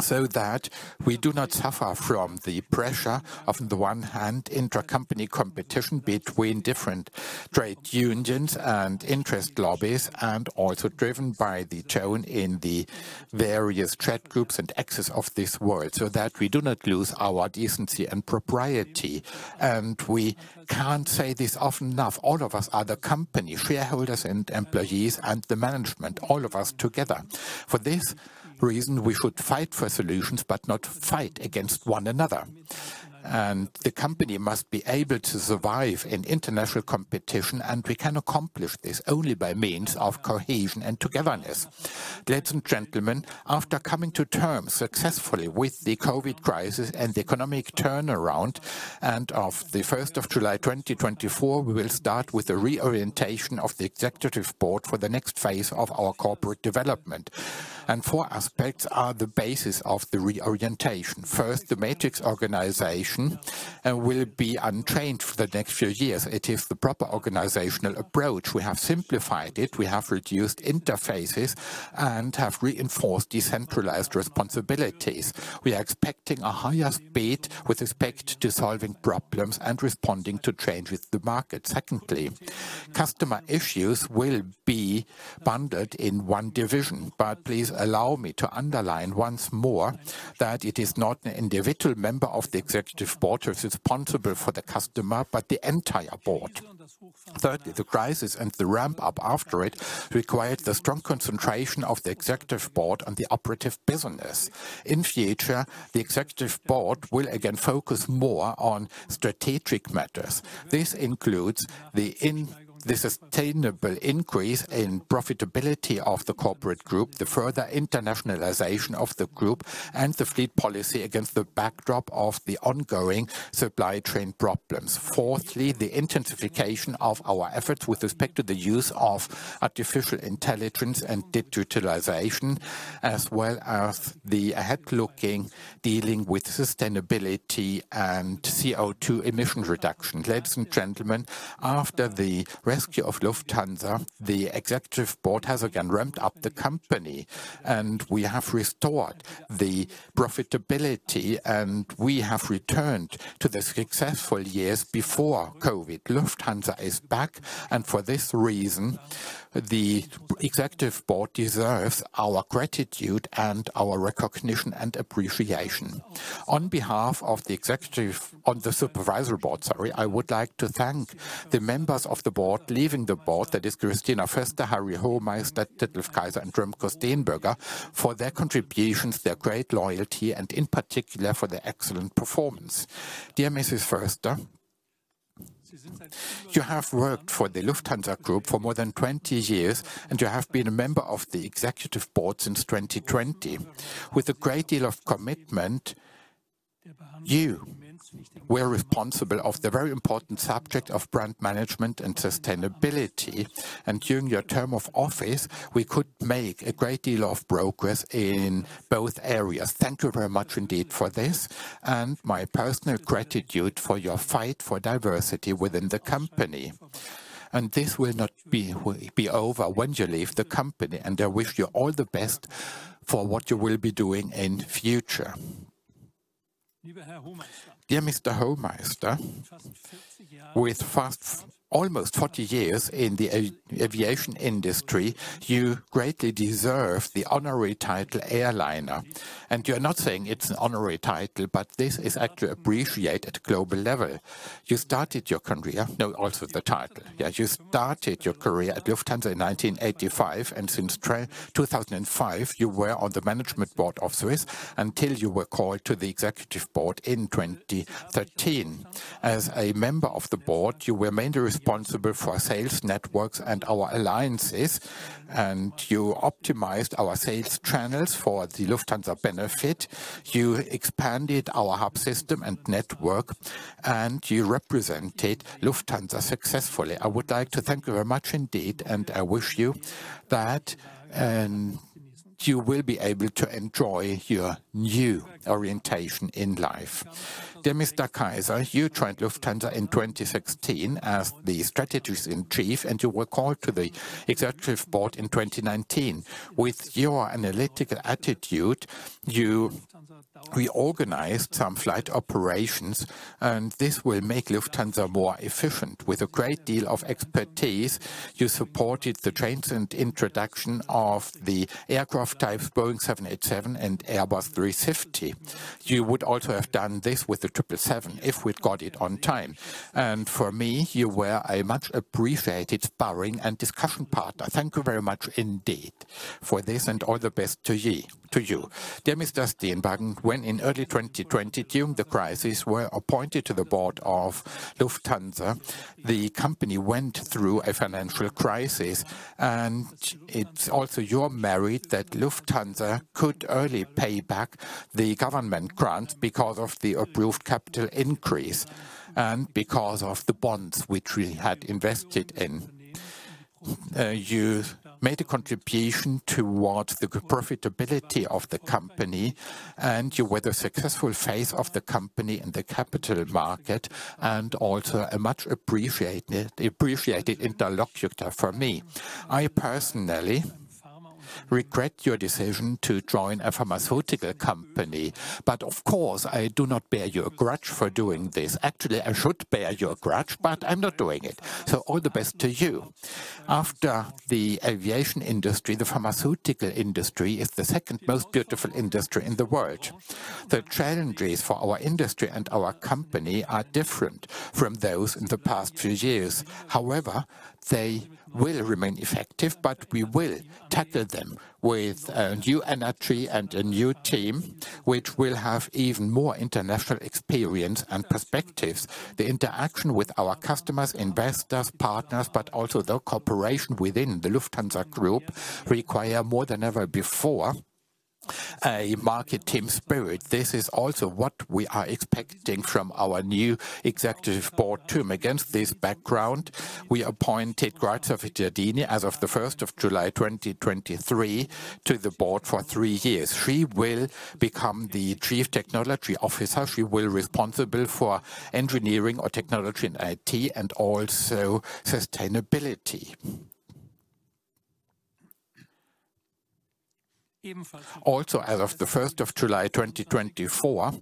So that we do not suffer from the pressure of, on the one hand, intercompany competition between different trade unions and interest lobbies, and also driven by the tone in the various chat groups and excesses of this world, so that we do not lose our decency and propriety. We can't say this often enough; all of us are the company—shareholders and employees, and the management, all of us together. For this reason, we should fight for solutions, but not fight against one another. The company must be able to survive in international competition, and we can accomplish this only by means of cohesion and togetherness. Ladies and gentlemen, after coming to terms successfully with the COVID crisis and the economic turnaround, as of the first of July 2024, we will start with the reorientation of the Executive Board for the next phase of our corporate development. Four aspects are the basis of the reorientation. First, the matrix organization will be maintained for the next few years. It is the proper organizational approach. We have simplified it, we have reduced interfaces, and have reinforced decentralized responsibilities. We are expecting a higher speed with respect to solving problems and responding to changes in the market. Secondly, customer issues will be bundled in one division, but please allow me to underline once more that it is not an individual member of the Executive Board who is responsible for the customer, but the entire board. Thirdly, the crisis and the ramp-up after it required the strong concentration of the Executive Board and the operative business. In future, the Executive Board will again focus more on strategic matters. This includes the sustainable increase in profitability of the corporate group, the further internationalization of the group, and the fleet policy against the backdrop of the ongoing supply chain problems. Fourthly, the intensification of our efforts with respect to the use of artificial intelligence and digitalization, as well as the ahead-looking dealing with sustainability and CO₂ emission reduction. Ladies and gentlemen, after the rescue of Lufthansa, the Executive Board has again ramped up the company, and we have restored the profitability, and we have returned to the successful years before COVID. Lufthansa is back, and for this reason, the Executive Board deserves our gratitude and our recognition and appreciation. On behalf of the Executive... On the Supervisory Board, sorry, I would like to thank the members of the board, leaving the board, that is Christina Foerster, Harry Hohmeister, Detlef Kayser, and Remco Steenbergen, for their contributions, their great loyalty, and in particular, for their excellent performance. Dear Mrs. Foerster, you have worked for the Lufthansa Group for more than 20 years, and you have been a member of the Executive Board since 2020. With a great deal of commitment, you were responsible of the very important subject of brand management and sustainability, and during your term of office, we could make a great deal of progress in both areas. Thank you very much indeed for this, and my personal gratitude for your fight for diversity within the company. This will not be over when you leave the company, and I wish you all the best for what you will be doing in the future. Dear Mr. Hohmeister, with almost 40 years in the aviation industry, you greatly deserve the honorary title, Airliner. And you're not saying it's an honorary title, but this is actually appreciated at global level. You started your career at Lufthansa in 1985, and since 2005, you were on the management board of Swiss, until you were called to the Executive Board in 2013. As a member of the board, you remained responsible for sales, networks, and our alliances, and you optimized our sales channels for the Lufthansa benefit. You expanded our hub system and network, and you represented Lufthansa successfully. I would like to thank you very much indeed, and I wish you that you will be able to enjoy your new orientation in life. Dear Mr. Kayser, you joined Lufthansa in 2016 as the strategist-in-chief, and you were called to the Executive Board in 2019. With your analytical attitude, you reorganized some flight operations, and this will make Lufthansa more efficient. With a great deal of expertise, you supported the training and introduction of the aircraft types, Boeing 787 and Airbus A350. You would also have done this with the Triple Seven if we'd got it on time. For me, you were a much-appreciated sparring and discussion partner. Thank you very much indeed for this, and all the best to you. Dear Mr. Steenbergen, when in early 2020, during the crisis, were appointed to the board of Lufthansa, the company went through a financial crisis, and it's also your merit that Lufthansa could early pay back the government grant because of the approved capital increase and because of the bonds which we had invested in. You made a contribution towards the profitability of the company, and you were the successful face of the company in the capital market, and also a much appreciated, appreciated interlocutor for me. I personally regret your decision to join a pharmaceutical company, but of course, I do not bear you a grudge for doing this. Actually, I should bear you a grudge, but I'm not doing it, so all the best to you. After the aviation industry, the pharmaceutical industry is the second most beautiful industry in the world. The challenges for our industry and our company are different from those in the past few years. However, they will remain effective, but we will tackle them with a new energy and a new team, which will have even more international experience and perspectives. The interaction with our customers, investors, partners, but also the cooperation within the Lufthansa Group, require more than ever before a market team spirit. This is also what we are expecting from our new Executive Board team. Against this background, we appointed Grazia Vittadini, as of the first of July 2023, to the board for three years. She will become the Chief Technology Officer. She will responsible for engineering or technology and IT, and also sustainability. Also, as of the first of July, 2024,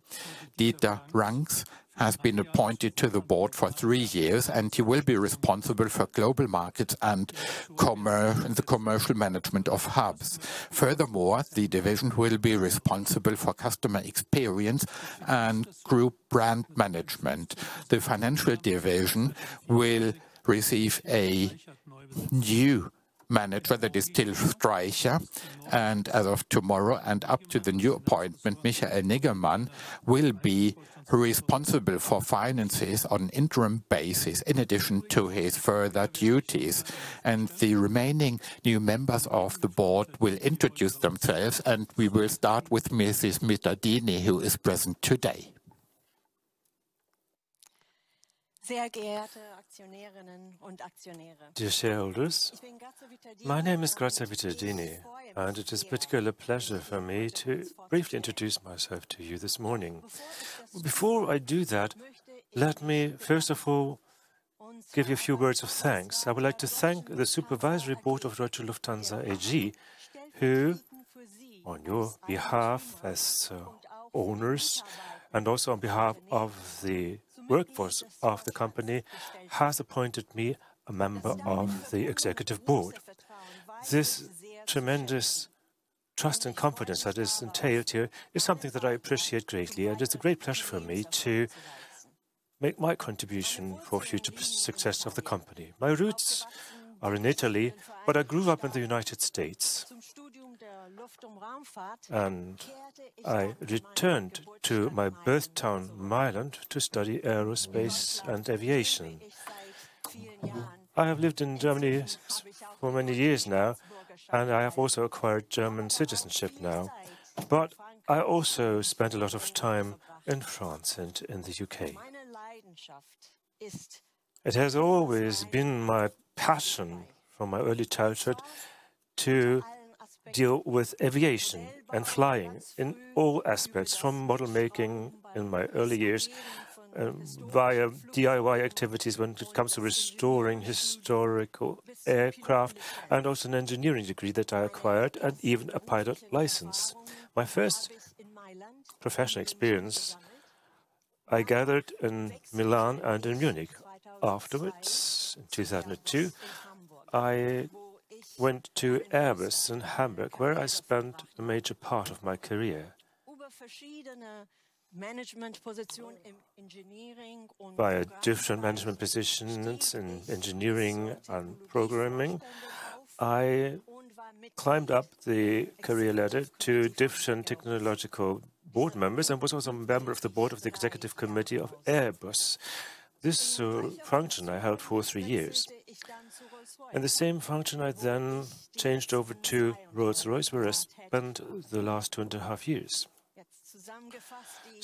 Dieter Vranckx has been appointed to the board for three years, and he will be responsible for global markets and the commercial management of hubs. Furthermore, the division will be responsible for customer experience and group brand management. The financial division will receive a new manager that is Till Streichert, and as of tomorrow, and up to the new appointment, Michael Niggemann will be responsible for finances on an interim basis, in addition to his further duties. The remaining new members of the board will introduce themselves, and we will start with Mrs. Vittadini, who is present today. Dear shareholders, my name is Grazia Vittadini, and it is a particular pleasure for me to briefly introduce myself to you this morning. Before I do that, let me, first of all, give you a few words of thanks. I would like to thank the Supervisory Board of Deutsche Lufthansa AG, who, on your behalf as owners, and also on behalf of the workforce of the company, has appointed me a member of the Executive Board. This tremendous trust and confidence that is entailed here is something that I appreciate greatly, and it's a great pleasure for me to make my contribution for future success of the company. My roots are in Italy, but I grew up in the United States, and I returned to my birth town, Milan, to study aerospace and aviation. I have lived in Germany for many years now, and I have also acquired German citizenship now, but I also spent a lot of time in France and in the UK. It has always been my passion, from my early childhood, to deal with aviation and flying in all aspects, from model making in my early years, via DIY activities when it comes to restoring historical aircraft, and also an engineering degree that I acquired, and even a pilot license. My first professional experience, I gathered in Milan and in Munich. Afterwards, in 2002, I went to Airbus in Hamburg, where I spent a major part of my career. By different management positions in engineering and programming, I climbed up the career ladder to different technological board members and was also a member of the board of the executive committee of Airbus. This function I held for three years. The same function, I then changed over to Rolls-Royce, where I spent the last two and a half years.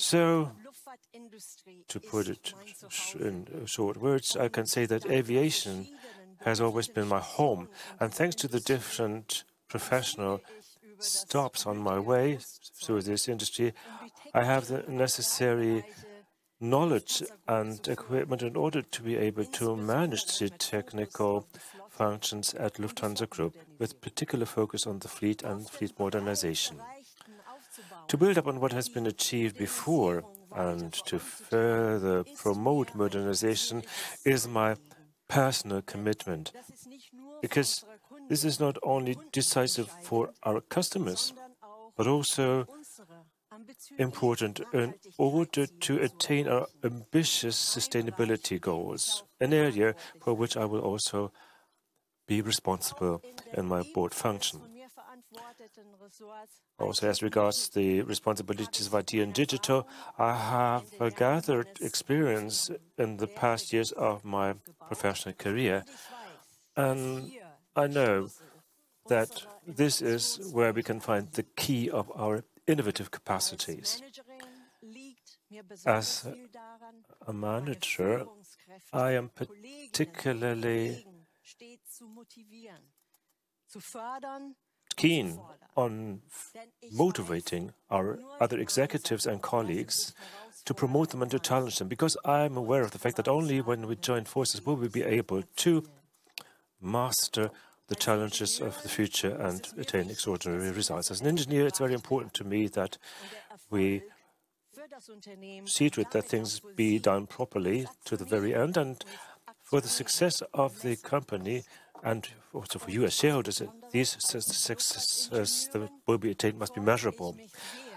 To put it in short words, I can say that aviation has always been my home, and thanks to the different professional stops on my way through this industry, I have the necessary knowledge and equipment in order to be able to manage the technical functions at Lufthansa Group, with particular focus on the fleet and fleet modernization. To build upon what has been achieved before and to further promote modernization is my personal commitment, because this is not only decisive for our customers, but also important in order to attain our ambitious sustainability goals, an area for which I will also be responsible in my board function. Also, as regards the responsibilities of IT and digital, I have gathered experience in the past years of my professional career, and I know that this is where we can find the key of our innovative capacities. As a manager, I am particularly keen on motivating our other executives and colleagues to promote them and to challenge them, because I'm aware of the fact that only when we join forces will we be able to master the challenges of the future and attain extraordinary results. As an engineer, it's very important to me that we see to it that things be done properly to the very end, and for the success of the company, and also for you as shareholders, these success, success will be attained, must be measurable.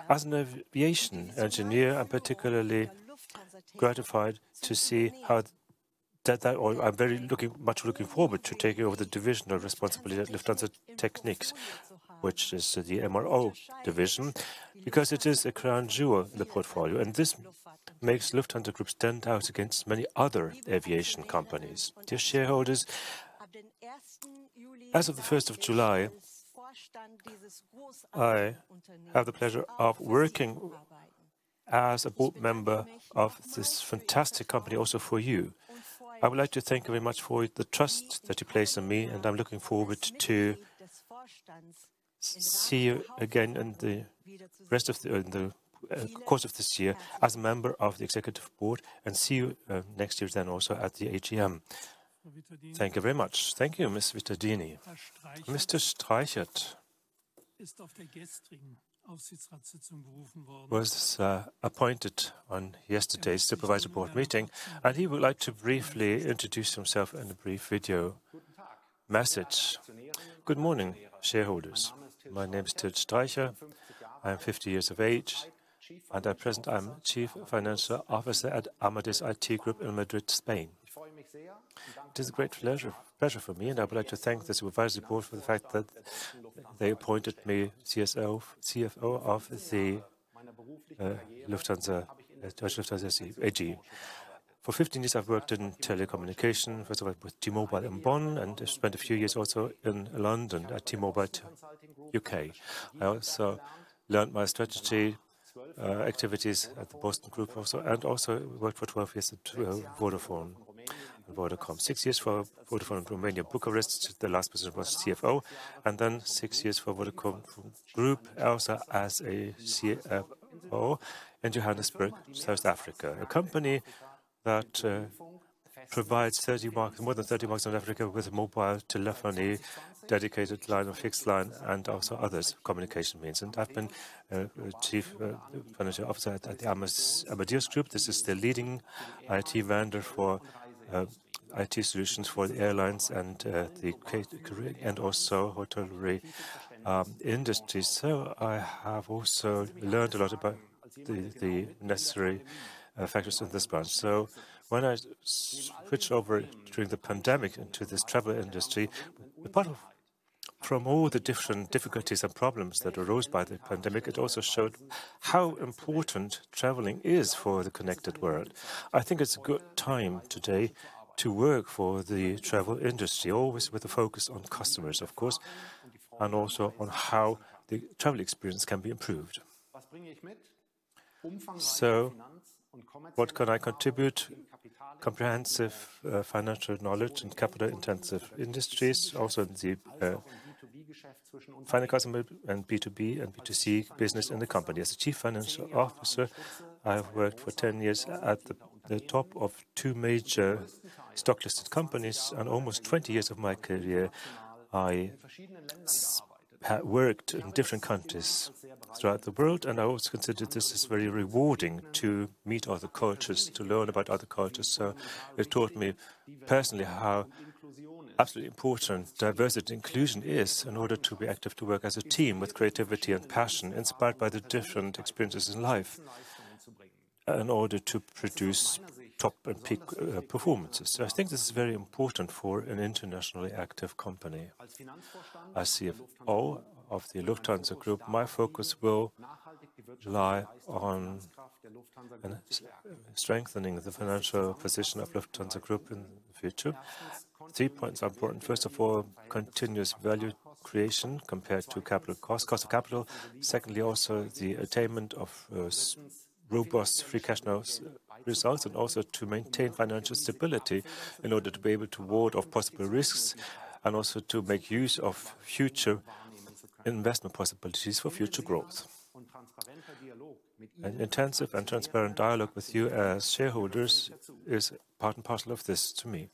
As an aviation engineer, I'm particularly gratified to see how that, that... Or I'm very much looking forward to taking over the division of responsibility at Lufthansa Technik, which is the MRO division, because it is a crown jewel in the portfolio, and this makes Lufthansa Group stand out against many other aviation companies. Dear shareholders, as of the first of July, I have the pleasure of working as a board member of this fantastic company also for you. I would like to thank you very much for the trust that you place in me, and I'm looking forward to see you again in the rest of the course of this year as a member of the Executive Board, and see you next year then also at the AGM. Thank you very much. Thank you, Miss Vittadini. Mr. Streichert was appointed on yesterday's Supervisory Board meeting, and he would like to briefly introduce himself in a brief video message. Good morning, shareholders. My name is Till Streichert. I am 50 years of age, and at present, I'm Chief Financial Officer at Amadeus IT Group in Madrid, Spain. It is a great pleasure, pleasure for me, and I would like to thank the Supervisory Board for the fact that they appointed me CFO of the Lufthansa, Deutsche Lufthansa AG. For 15 years, I've worked in telecommunications, first I worked with T-Mobile in Bonn, and I spent a few years also in London at T-Mobile UK. I also learned my strategy activities at the Boston Consulting Group also, and also worked for 12 years at Vodafone and Vodacom. Six years for Vodafone Romania, Bucharest, the last position was CFO, and then six years for Vodacom Group, also as a CFO in Johannesburg, South Africa. A company that provides more than 30 markets in Africa with mobile telephony, dedicated line or fixed line, and also other communication means. And I've been chief financial officer at the Amadeus Group. This is the leading IT vendor for IT solutions for the airlines and the car rental, and also hotelry industry. So I have also learned a lot about the necessary factors of this branch. So when I switched over during the pandemic into this travel industry, apart from all the different difficulties and problems that arose by the pandemic, it also showed how important traveling is for the connected world. I think it's a good time today to work for the travel industry, always with the focus on customers, of course, and also on how the travel experience can be improved. So, what can I contribute? Comprehensive financial knowledge in capital-intensive industries, also in the final customer and B2B and B2C business in the company. As the Chief Financial Officer, I have worked for 10 years at the top of two major stock-listed companies, and almost 20 years of my career, I have worked in different countries throughout the world, and I always considered this as very rewarding to meet other cultures, to learn about other cultures. So it taught me personally how absolutely important diversity and inclusion is in order to be active, to work as a team with creativity and passion, inspired by the different experiences in life, in order to produce top and peak performances. So I think this is very important for an internationally active company. As CFO of the Lufthansa Group, my focus will lie on strengthening the financial position of Lufthansa Group in the future. Three points are important. First of all, continuous value creation compared to capital cost, cost of capital. Secondly, also the attainment of robust free cash flows results, and also to maintain financial stability in order to be able to ward off possible risks, and also to make use of future investment possibilities for future growth. An intensive and transparent dialogue with you as shareholders is part and parcel of this to me.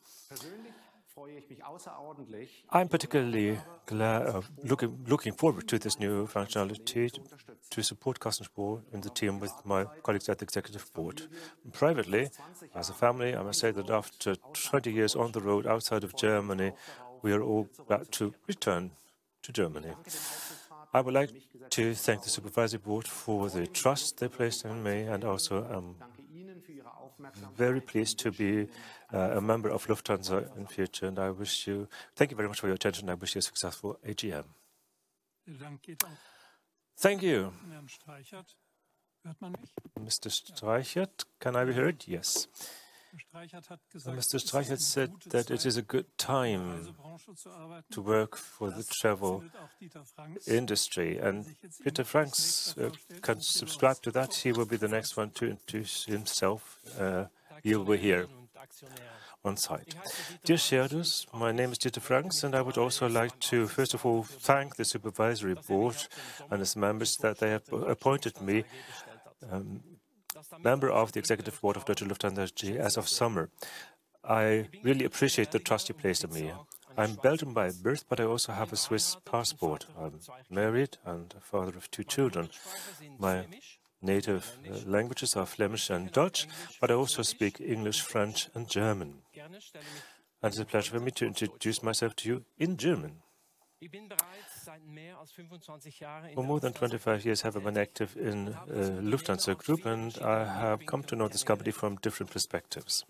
I'm particularly glad, looking forward to this new functionality to support Carsten Spohr and the team with my colleagues at the Executive Board. Privately, as a family, I must say that after 20 years on the road outside of Germany, we are all about to return to Germany. I would like to thank the Supervisory Board for the trust they placed in me, and also, I'm very pleased to be a member of Lufthansa in future, and I wish you... Thank you very much for your attention, and I wish you a successful AGM. Thank you. Mr. Streichert, can I be heard? Yes. Mr. Streichert said that it is a good time to work for the travel industry, and Dieter Vranckx can subscribe to that. He will be the next one to introduce himself, you will hear on site. Dear shareholders, my name is Dieter Vranckx, and I would also like to, first of all, thank the Supervisory Board and its members that they have appointed me, member of the Executive Board of Deutsche Lufthansa AG as of summer. I really appreciate the trust you placed in me. I'm Belgian by birth, but I also have a Swiss passport. I'm married and a father of two children. My native languages are Flemish and Dutch, but I also speak English, French, and German. It's a pleasure for me to introduce myself to you in German. For more than 25 years, I have been active in Lufthansa Group, and I have come to know this company from different perspectives.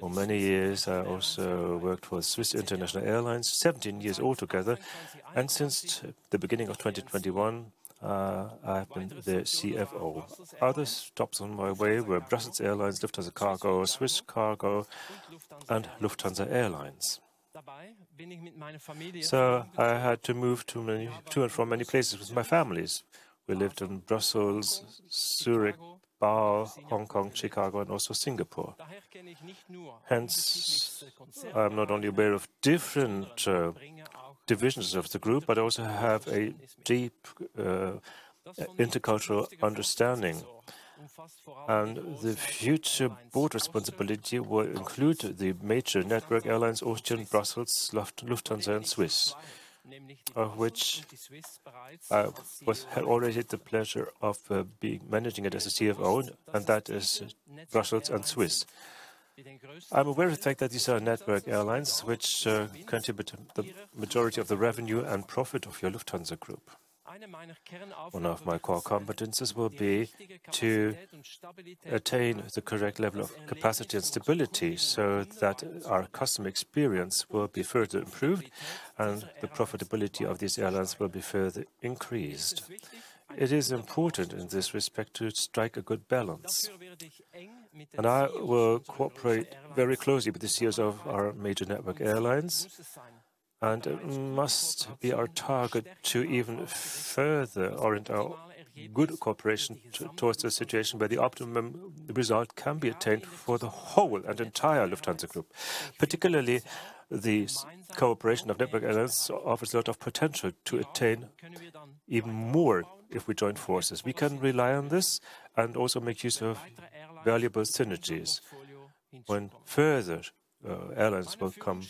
For many years, I also worked for Swiss International Air Lines, 17 years altogether, and since the beginning of 2021, I have been the CFO. Other stops on my way were Brussels Airlines, Lufthansa Cargo, Swiss Cargo, and Lufthansa Airlines. So I had to move to many to and from many places with my families. We lived in Brussels, Zurich, Basel, Hong Kong, Chicago, and also Singapore. Hence, I'm not only aware of different divisions of the group, but I also have a deep intercultural understanding. And the future board responsibility will include the major network airlines: Austrian, Brussels, Lufthansa, and Swiss, which was had already the pleasure of being managing it as a CFO, and that is Brussels and Swiss. I'm aware of the fact that these are network airlines which contribute the majority of the revenue and profit of your Lufthansa Group. One of my core competencies will be to attain the correct level of capacity and stability so that our customer experience will be further improved and the profitability of these airlines will be further increased. It is important in this respect to strike a good balance, and I will cooperate very closely with the CEOs of our major network airlines. It must be our target to even further orient our good cooperation towards the situation where the optimum result can be attained for the whole and entire Lufthansa Group. Particularly, this cooperation of network airlines offers a lot of potential to attain even more if we join forces. We can rely on this and also make use of valuable synergies when further airlines will come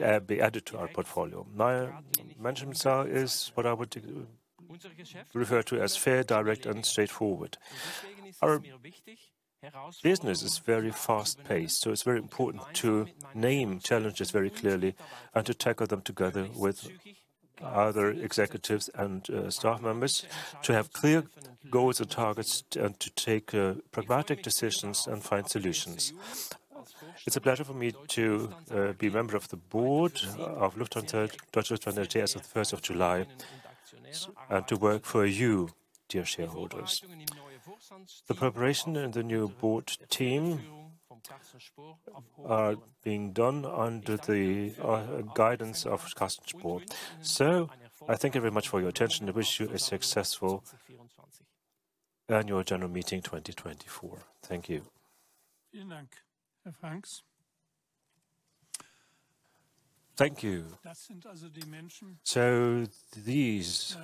and be added to our portfolio. My management style is what I would refer to as fair, direct, and straightforward. Our business is very fast-paced, so it's very important to name challenges very clearly and to tackle them together with other executives and, staff members to have clear goals and targets and to take, pragmatic decisions and find solutions. It's a pleasure for me to, be member of the board of Lufthansa, Deutsche Lufthansa AG, as of first of July, to work for you, dear shareholders. The preparation and the new board team are being done under the, guidance of Carsten Spohr. So I thank you very much for your attention and wish you a successful Annual General Meeting 2024. Thank you. Thank you, Herr Vranckx. Thank you. So these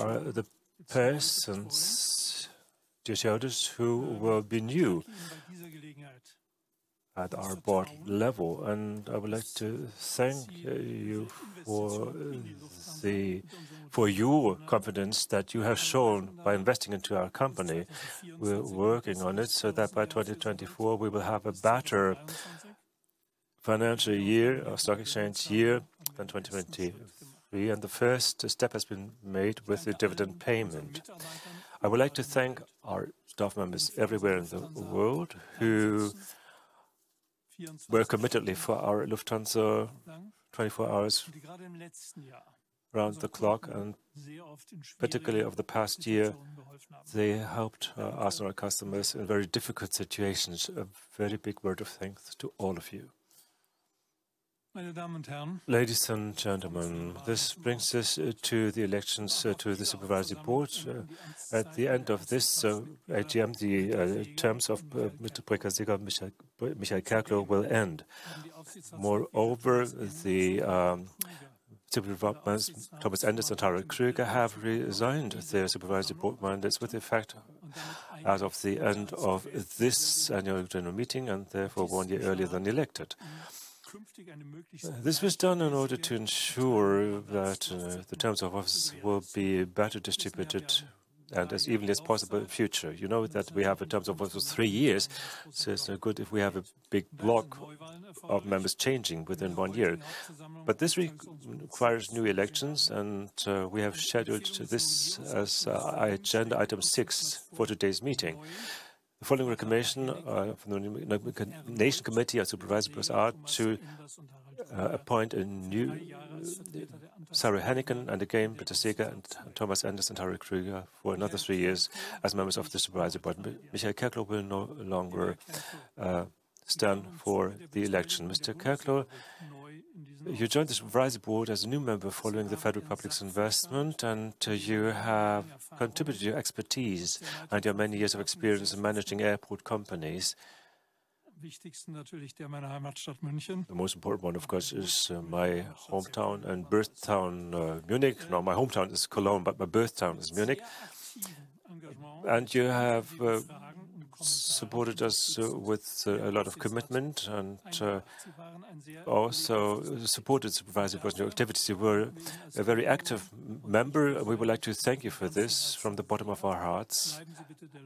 are the persons, dear shareholders, who will be new at our board level. And I would like to thank you for the, for your confidence that you have shown by investing into our company. We're working on it so that by 2024 we will have a better financial year or stock exchange year than 2023, and the first step has been made with the dividend payment. I would like to thank our staff members everywhere in the world who work committedly for our Lufthansa, 24 hours around the clock, and particularly over the past year, they helped us and our customers in very difficult situations. A very big word of thanks to all of you. Ladies and gentlemen, this brings us to the elections to the Supervisory Board. At the end of this AGM, the terms of Mr. Volker Zimmermann and Michael Kerkloh will end. Moreover, the Supervisory Board members Thomas Enders and Harald Krüger have resigned their Supervisory Board mandates with effect as of the end of this Annual General Meeting and therefore one year earlier than elected. This was done in order to ensure that the terms of office will be better distributed and as evenly as possible in future. You know that we have the terms of office of three years, so it's no good if we have a big block of members changing within one year. But this requires new elections, and we have scheduled this as agenda item 6 for today's meeting. The following recommendation from the Nomination Committee and Supervisory Board are to appoint a new Sara Hennicken, and again, Britta Seeger and Thomas Enders and Harald Krüger for another three years as members of the Supervisory Board. Michael Kerkloh will no longer stand for the election. Mr. Kerkloh-... You joined the Supervisory Board as a new member following the Federal Republic's investment, and you have contributed your expertise and your many years of experience in managing airport companies. The most important one, of course, is my hometown and birth town, Munich. No, my hometown is Cologne, but my birth town is Munich. And you have supported us with a lot of commitment and also supported Supervisory Board activities. You were a very active member. We would like to thank you for this from the bottom of our hearts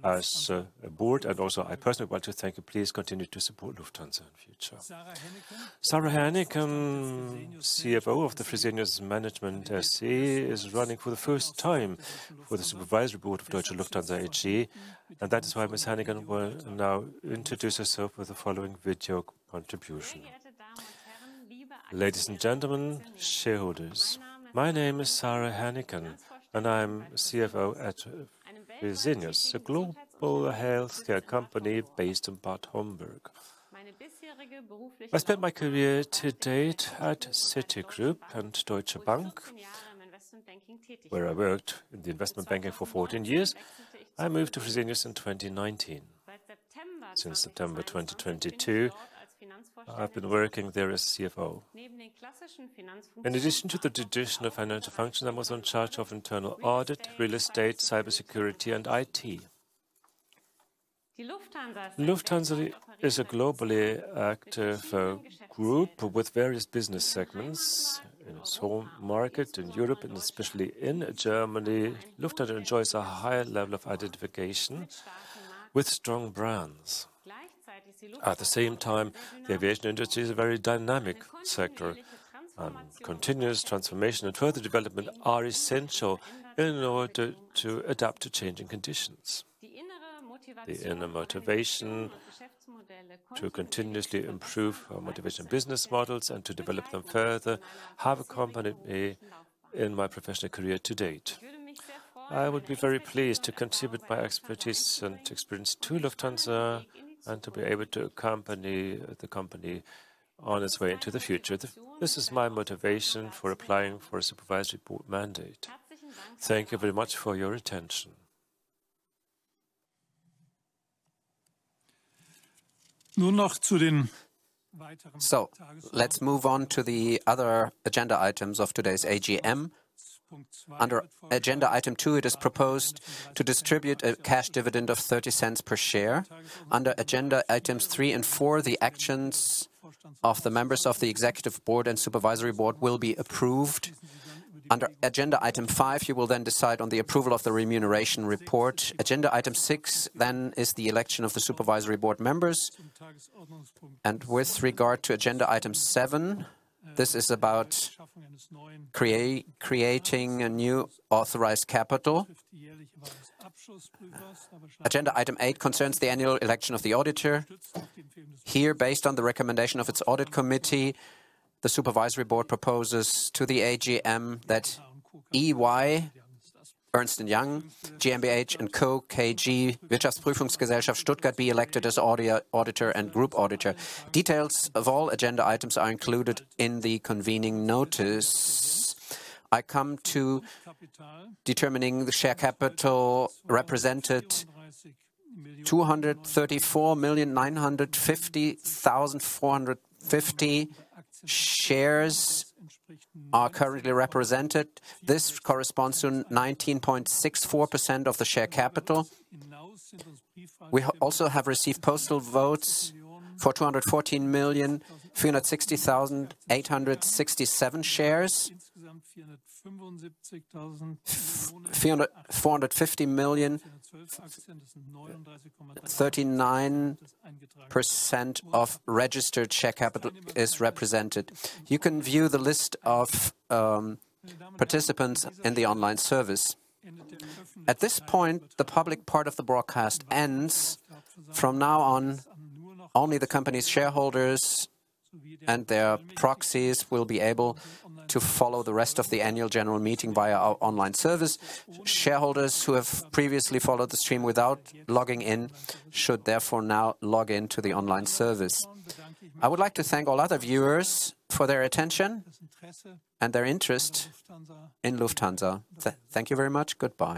as a board, and also I personally want to thank you. Please continue to support Lufthansa in future. Sara Hennicken, CFO of the Fresenius Management SE, is running for the first time for the Supervisory Board of Deutsche Lufthansa AG, and that is why Ms. Hennicken will now introduce herself with the following video contribution. Ladies and gentlemen, shareholders, my name is Sara Hennicken, and I'm CFO at Fresenius, a global healthcare company based in Bad Homburg. I spent my career to date at Citigroup and Deutsche Bank, where I worked in the investment banking for 14 years. I moved to Fresenius in 2019. Since September 2022, I've been working there as CFO. In addition to the traditional financial functions, I was in charge of internal audit, real estate, cybersecurity, and IT. Lufthansa is a globally active group with various business segments. In its home market, in Europe, and especially in Germany, Lufthansa enjoys a higher level of identification with strong brands. At the same time, the aviation industry is a very dynamic sector, and continuous transformation and further development are essential in order to adapt to changing conditions. The inner motivation to continuously improve our aviation business models and to develop them further have accompanied me in my professional career to date. I would be very pleased to contribute my expertise and experience to Lufthansa and to be able to accompany the company on its way into the future. This is my motivation for applying for a Supervisory Board mandate. Thank you very much for your attention. So let's move on to the other agenda items of today's AGM. Under agenda item 2, it is proposed to distribute a cash dividend of 0.30 per share. Under agenda items 3 and 4, the actions of the members of the Executive Board and Supervisory Board will be approved. Under agenda item 5, you will then decide on the approval of the remuneration report. Agenda item 6, then, is the election of the Supervisory Board members. With regard to agenda item 7, this is about creating a new authorized capital. Agenda item 8 concerns the annual election of the auditor. Here, based on the recommendation of its Audit Committee, the Supervisory Board proposes to the AGM that EY, Ernst & Young, GmbH & Co. KG, be elected as auditor and group auditor. Details of all agenda items are included in the convening notice. I come to determining the share capital represented, 234,950,450 shares are currently represented. This corresponds to 19.64% of the share capital. We also have received postal votes for 214,360,867 shares. 449 million, 39% of registered share capital is represented. You can view the list of participants in the online service. At this point, the public part of the broadcast ends. From now on, only the company's shareholders and their proxies will be able to follow the rest of the Annual General Meeting via our online service. Shareholders who have previously followed the stream without logging in should therefore now log in to the online service. I would like to thank all other viewers for their attention and their interest in Lufthansa. Thank you very much. Goodbye.